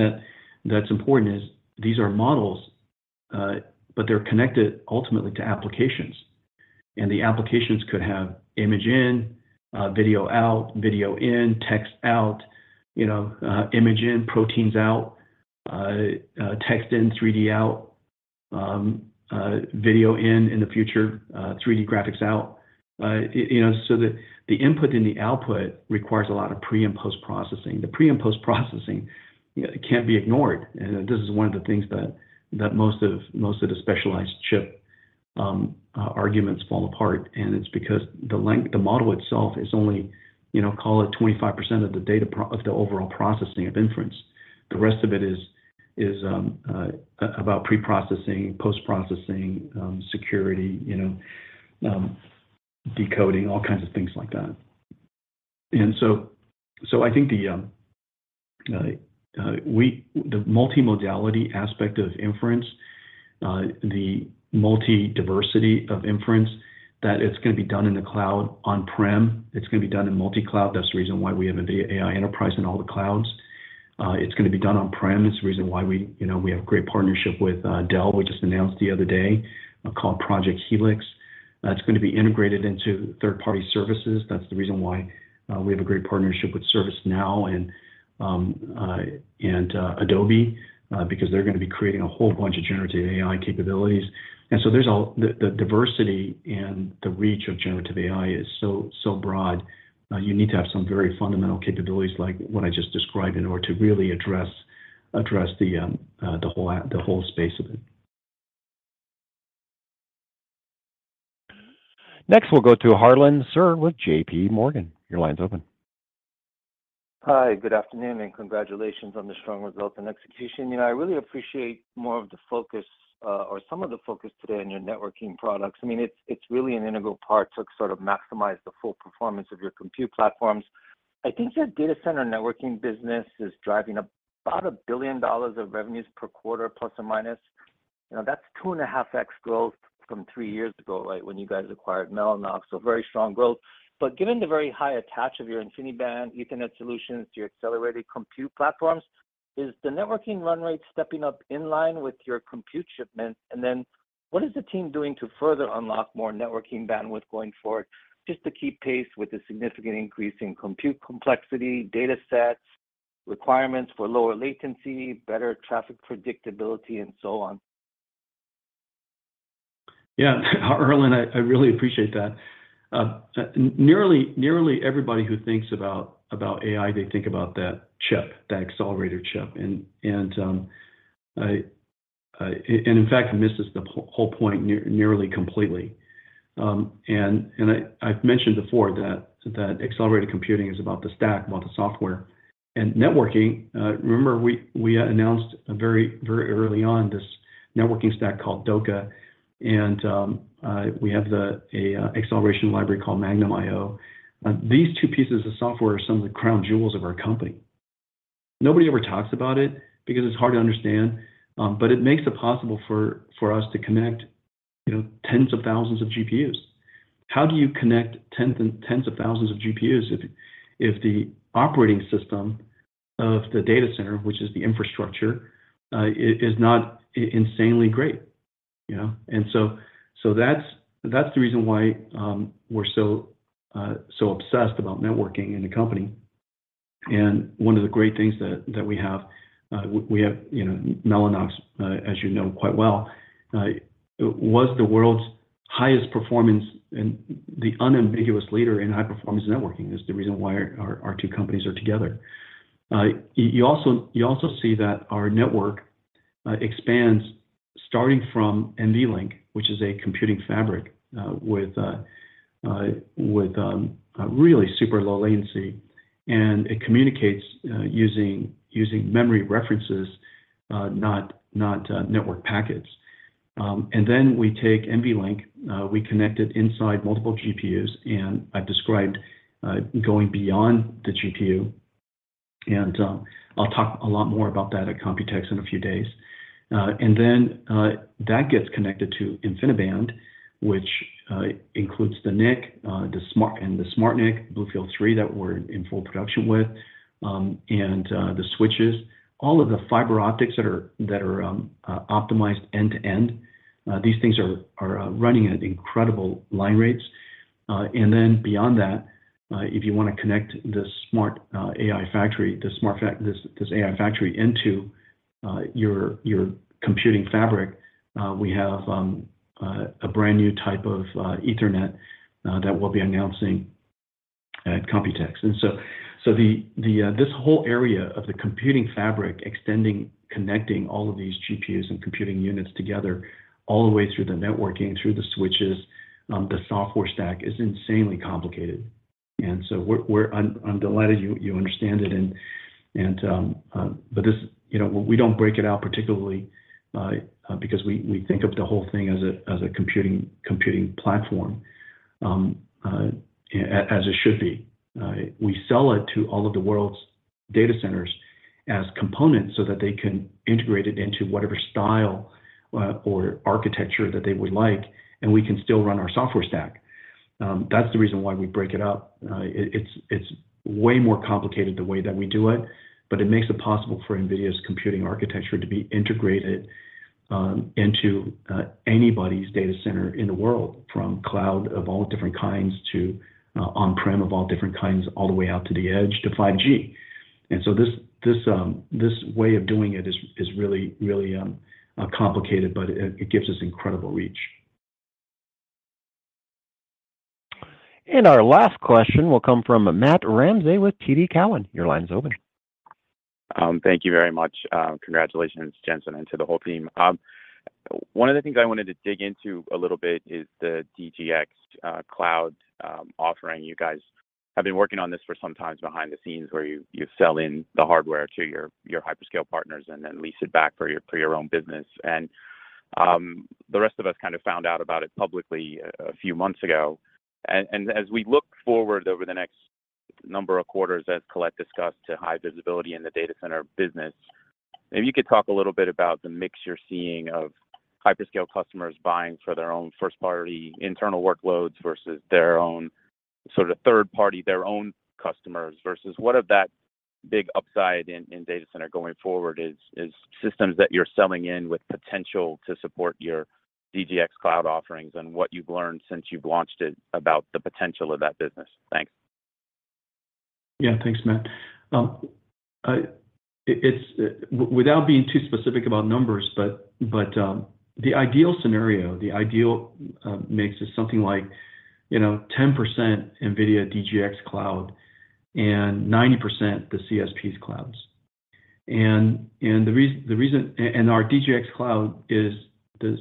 that's important is these are models, but they're connected ultimately to applications. The applications could have image in, video out, video in, text out, you know, image in, proteins out, text in, 3D out, video in in the future, 3D graphics out. You know, the input and the output requires a lot of pre and post-processing. The pre and post-processing, you know, can't be ignored, this is one of the things that most of the specialized chip arguments fall apart. It's because the model itself is only, you know, call it 25% of the overall processing of inference. The rest of it is about pre-processing, post-processing, security, you know, decoding, all kinds of things like that. So I think the multimodality aspect of inference, the multi-diversity of inference, that it's gonna be done in the cloud on-prem, it's gonna be done in multi-cloud. That's the reason why we have an AI enterprise in all the clouds. It's gonna be done on-prem. It's the reason why we, you know, we have great partnership with Dell, we just announced the other day, called Project Helix. It's gonna be integrated into third-party services. That's the reason why we have a great partnership with ServiceNow and Adobe, because they're gonna be creating a whole bunch of generative AI capabilities. So there's all... The diversity and the reach of generative AI is so broad, you need to have some very fundamental capabilities like what I just described in order to really address the whole space of it. Next, we'll go to Harlan Sur with JP Morgan. Your line's open. Hi, good afternoon. Congratulations on the strong results and execution. You know, I really appreciate more of the focus, or some of the focus today on your networking products. I mean, it's really an integral part to sort of maximize the full performance of your compute platforms. I think your data center networking business is driving about $1 billion of revenues per quarter, ±. You know, that's 2.5x growth from 3 years ago, right, when you guys acquired Mellanox, so very strong growth. Given the very high attach of your InfiniBand Ethernet solutions to your accelerated compute platforms, is the networking run rate stepping up in line with your compute shipments? What is the team doing to further unlock more networking bandwidth going forward? Just to keep pace with the significant increase in compute complexity, datasets, requirements for lower latency, better traffic predictability, and so on. Yeah, Harlan, I really appreciate that. Nearly everybody who thinks about AI, they think about that chip, that accelerator chip. In fact misses the whole point nearly completely. I've mentioned before that accelerated computing is about the stack, about the software. Networking, remember we announced very early on this networking stack called DOCA. We have the acceleration library called Magnum IO. These two pieces of software are some of the crown jewels of our company. Nobody ever talks about it because it's hard to understand. But it makes it possible for us to connect, you know, tens of thousands of GPUs. How do you connect tens of thousands of GPUs if the operating system of the data center, which is the infrastructure, is not insanely great, you know? That's the reason why we're so obsessed about networking in the company. One of the great things that we have, we have, you know, Mellanox, as you know quite well, was the world's highest performance and the unambiguous leader in high-performance networking, is the reason why our two companies are together. You also see that our network expands starting from NVLink, which is a computing fabric, with really super low latency, and it communicates using memory references, not network packets. We take NVLink, we connect it inside multiple GPUs, and I've described going beyond the GPU, and I'll talk a lot more about that at Computex in a few days. That gets connected to InfiniBand, which includes the NIC, the SmartNIC, BlueField-3 that we're in full production with, and the switches. All of the fiber optics that are optimized end-to-end, these things are running at incredible line rates. Beyond that, if you wanna connect the smart AI factory, this AI factory into your computing fabric, we have a brand-new type of Ethernet that we'll be announcing at Computex. The, this whole area of the computing fabric extending, connecting all of these GPUs and computing units together all the way through the networking, through the switches, the software stack is insanely complicated. I'm delighted you understand it and, you know, we don't break it out particularly because we think of the whole thing as a computing platform as it should be. We sell it to all of the world's data centers as components so that they can integrate it into whatever style or architecture that they would like, and we can still run our software stack. That's the reason why we break it up. It's way more complicated the way that we do it, but it makes it possible for NVIDIA's computing architecture to be integrated into anybody's data center in the world, from cloud of all different kinds to on-prem of all different kinds, all the way out to the edge to 5G. This way of doing it is really complicated, but it gives us incredible reach. Our last question will come from Matthew Ramsay with TD Cowen. Your line's open. Thank you very much. Congratulations, Jensen, and to the whole team. One of the things I wanted to dig into a little bit is the DGX Cloud offering. You guys have been working on this for some time behind the scenes where you sell in the hardware to your hyperscale partners and then lease it back for your own business. The rest of us kind of found out about it publicly a few months ago. As we look forward over the next number of quarters, as Colette discussed, to high visibility in the data center business, maybe you could talk a little bit about the mix you're seeing of hyperscale customers buying for their own first-party internal workloads versus their own sort of third party, their own customers, versus what of that big upside in data center going forward is systems that you're selling in with potential to support your DGX Cloud offerings and what you've learned since you've launched it about the potential of that business. Thanks. Yeah. Thanks, Matt. It's Without being too specific about numbers, but, the ideal scenario, the ideal mix is something like, you know, 10% NVIDIA DGX Cloud and 90% the CSPs' clouds. And the reason, our DGX Cloud is the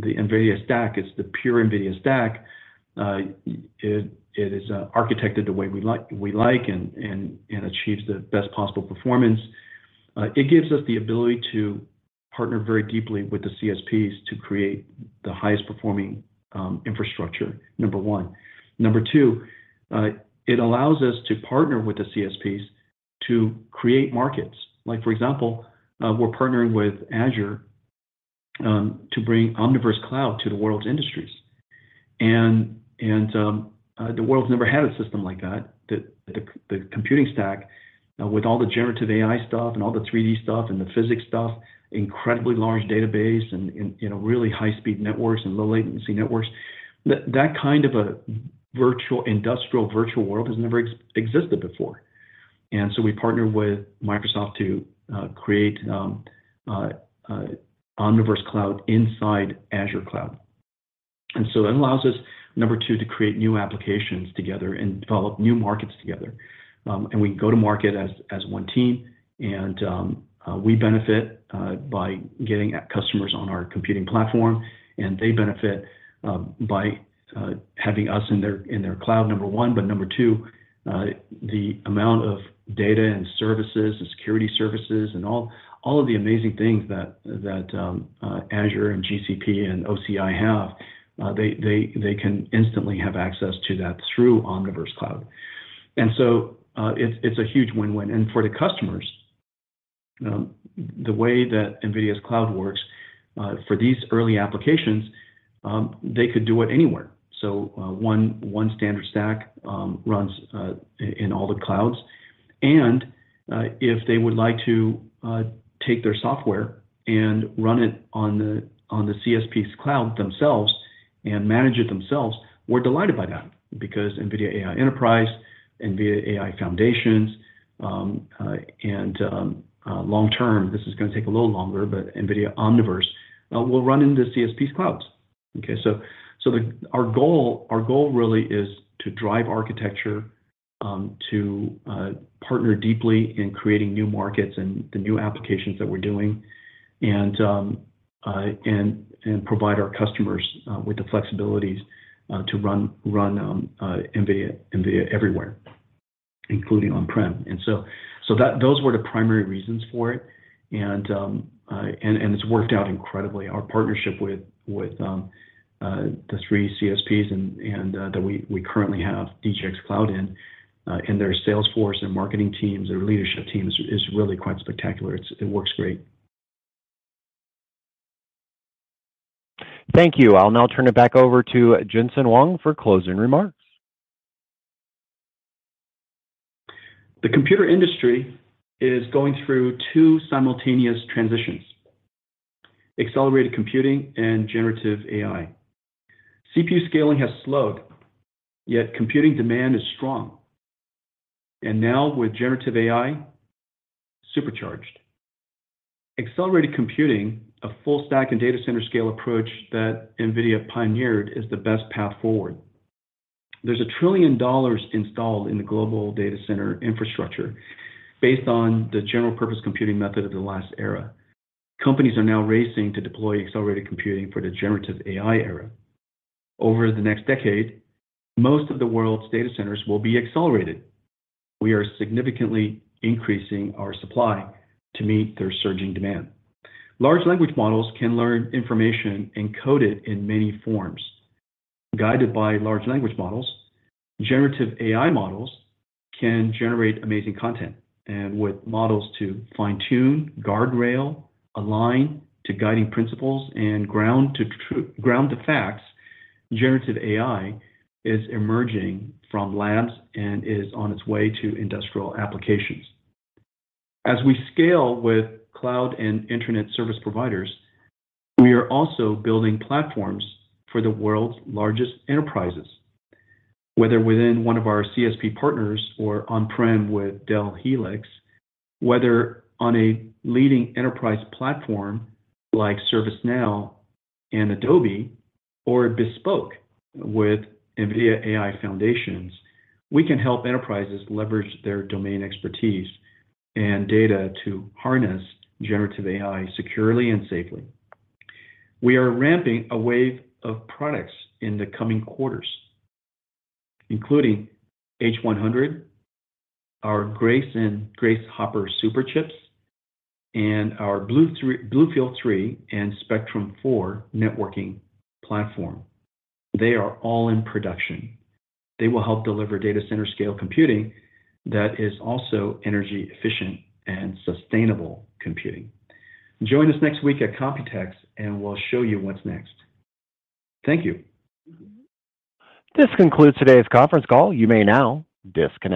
NVIDIA stack. It's the pure NVIDIA stack. It is architected the way we like and achieves the best possible performance. It gives us the ability to partner very deeply with the CSPs to create the highest performing infrastructure, number one. Number two, it allows us to partner with the CSPs to create markets. Like for example, we're partnering with Azure to bring Omniverse Cloud to the world's industries. And the world's never had a system like that. The computing stack, with all the generative AI stuff and all the 3D stuff and the physics stuff, incredibly large database, and, you know, really high speed networks and low latency networks, that kind of a industrial virtual world has never existed before. We partnered with Microsoft to create Omniverse Cloud inside Azure Cloud. It allows us, number two, to create new applications together and develop new markets together. We can go to market as one team, we benefit by getting customers on our computing platform, and they benefit by having us in their cloud, number one. Number two, the amount of data and services and security services and all of the amazing things that Azure and GCP and OCI have, they can instantly have access to that through Omniverse Cloud. It's a huge win-win. For the customers, the way that NVIDIA's cloud works, for these early applications, they could do it anywhere. One standard stack runs in all the clouds. If they would like to take their software and run it on the CSP's cloud themselves and manage it themselves, we're delighted by that because NVIDIA AI Enterprise, NVIDIA AI Foundations, and long term, this is gonna take a little longer, but NVIDIA Omniverse will run into CSP's clouds. Okay. Our goal really is to drive architecture, to partner deeply in creating new markets and the new applications that we're doing, and provide our customers with the flexibilities to run NVIDIA everywhere, including on-prem. Those were the primary reasons for it. It's worked out incredibly. Our partnership with the three CSPs and that we currently have DGX Cloud in their sales force, their marketing teams, their leadership teams is really quite spectacular. It works great. Thank you. I'll now turn it back over to Jensen Huang for closing remarks. The computer industry is going through two simultaneous transitions: accelerated computing and generative AI. CPU scaling has slowed, yet computing demand is strong, and now with generative AI, supercharged. Accelerated computing, a full stack and data center scale approach that NVIDIA pioneered, is the best path forward. There's $1 trillion installed in the global data center infrastructure based on the general purpose computing method of the last era. Companies are now racing to deploy accelerated computing for the generative AI era. Over the next decade, most of the world's data centers will be accelerated. We are significantly increasing our supply to meet their surging demand. Large language models can learn information encoded in many forms. Guided by large language models, generative AI models can generate amazing content. With models to fine-tune, guardrail, align to guiding principles, and ground to facts, generative AI is emerging from labs and is on its way to industrial applications. As we scale with cloud and internet service providers, we are also building platforms for the world's largest enterprises. Whether within one of our CSP partners or on-prem with Dell Helix, whether on a leading enterprise platform like ServiceNow and Adobe, or bespoke with NVIDIA AI Foundations, we can help enterprises leverage their domain expertise and data to harness generative AI securely and safely. We are ramping a wave of products in the coming quarters, including H100, our Grace and Grace Hopper Superchips, and our BlueField-3 and Spectrum-4 networking platform. They are all in production. They will help deliver data center scale computing that is also energy efficient and sustainable computing. Join us next week at Computex, and we'll show you what's next. Thank you. This concludes today's conference call. You may now disconnect.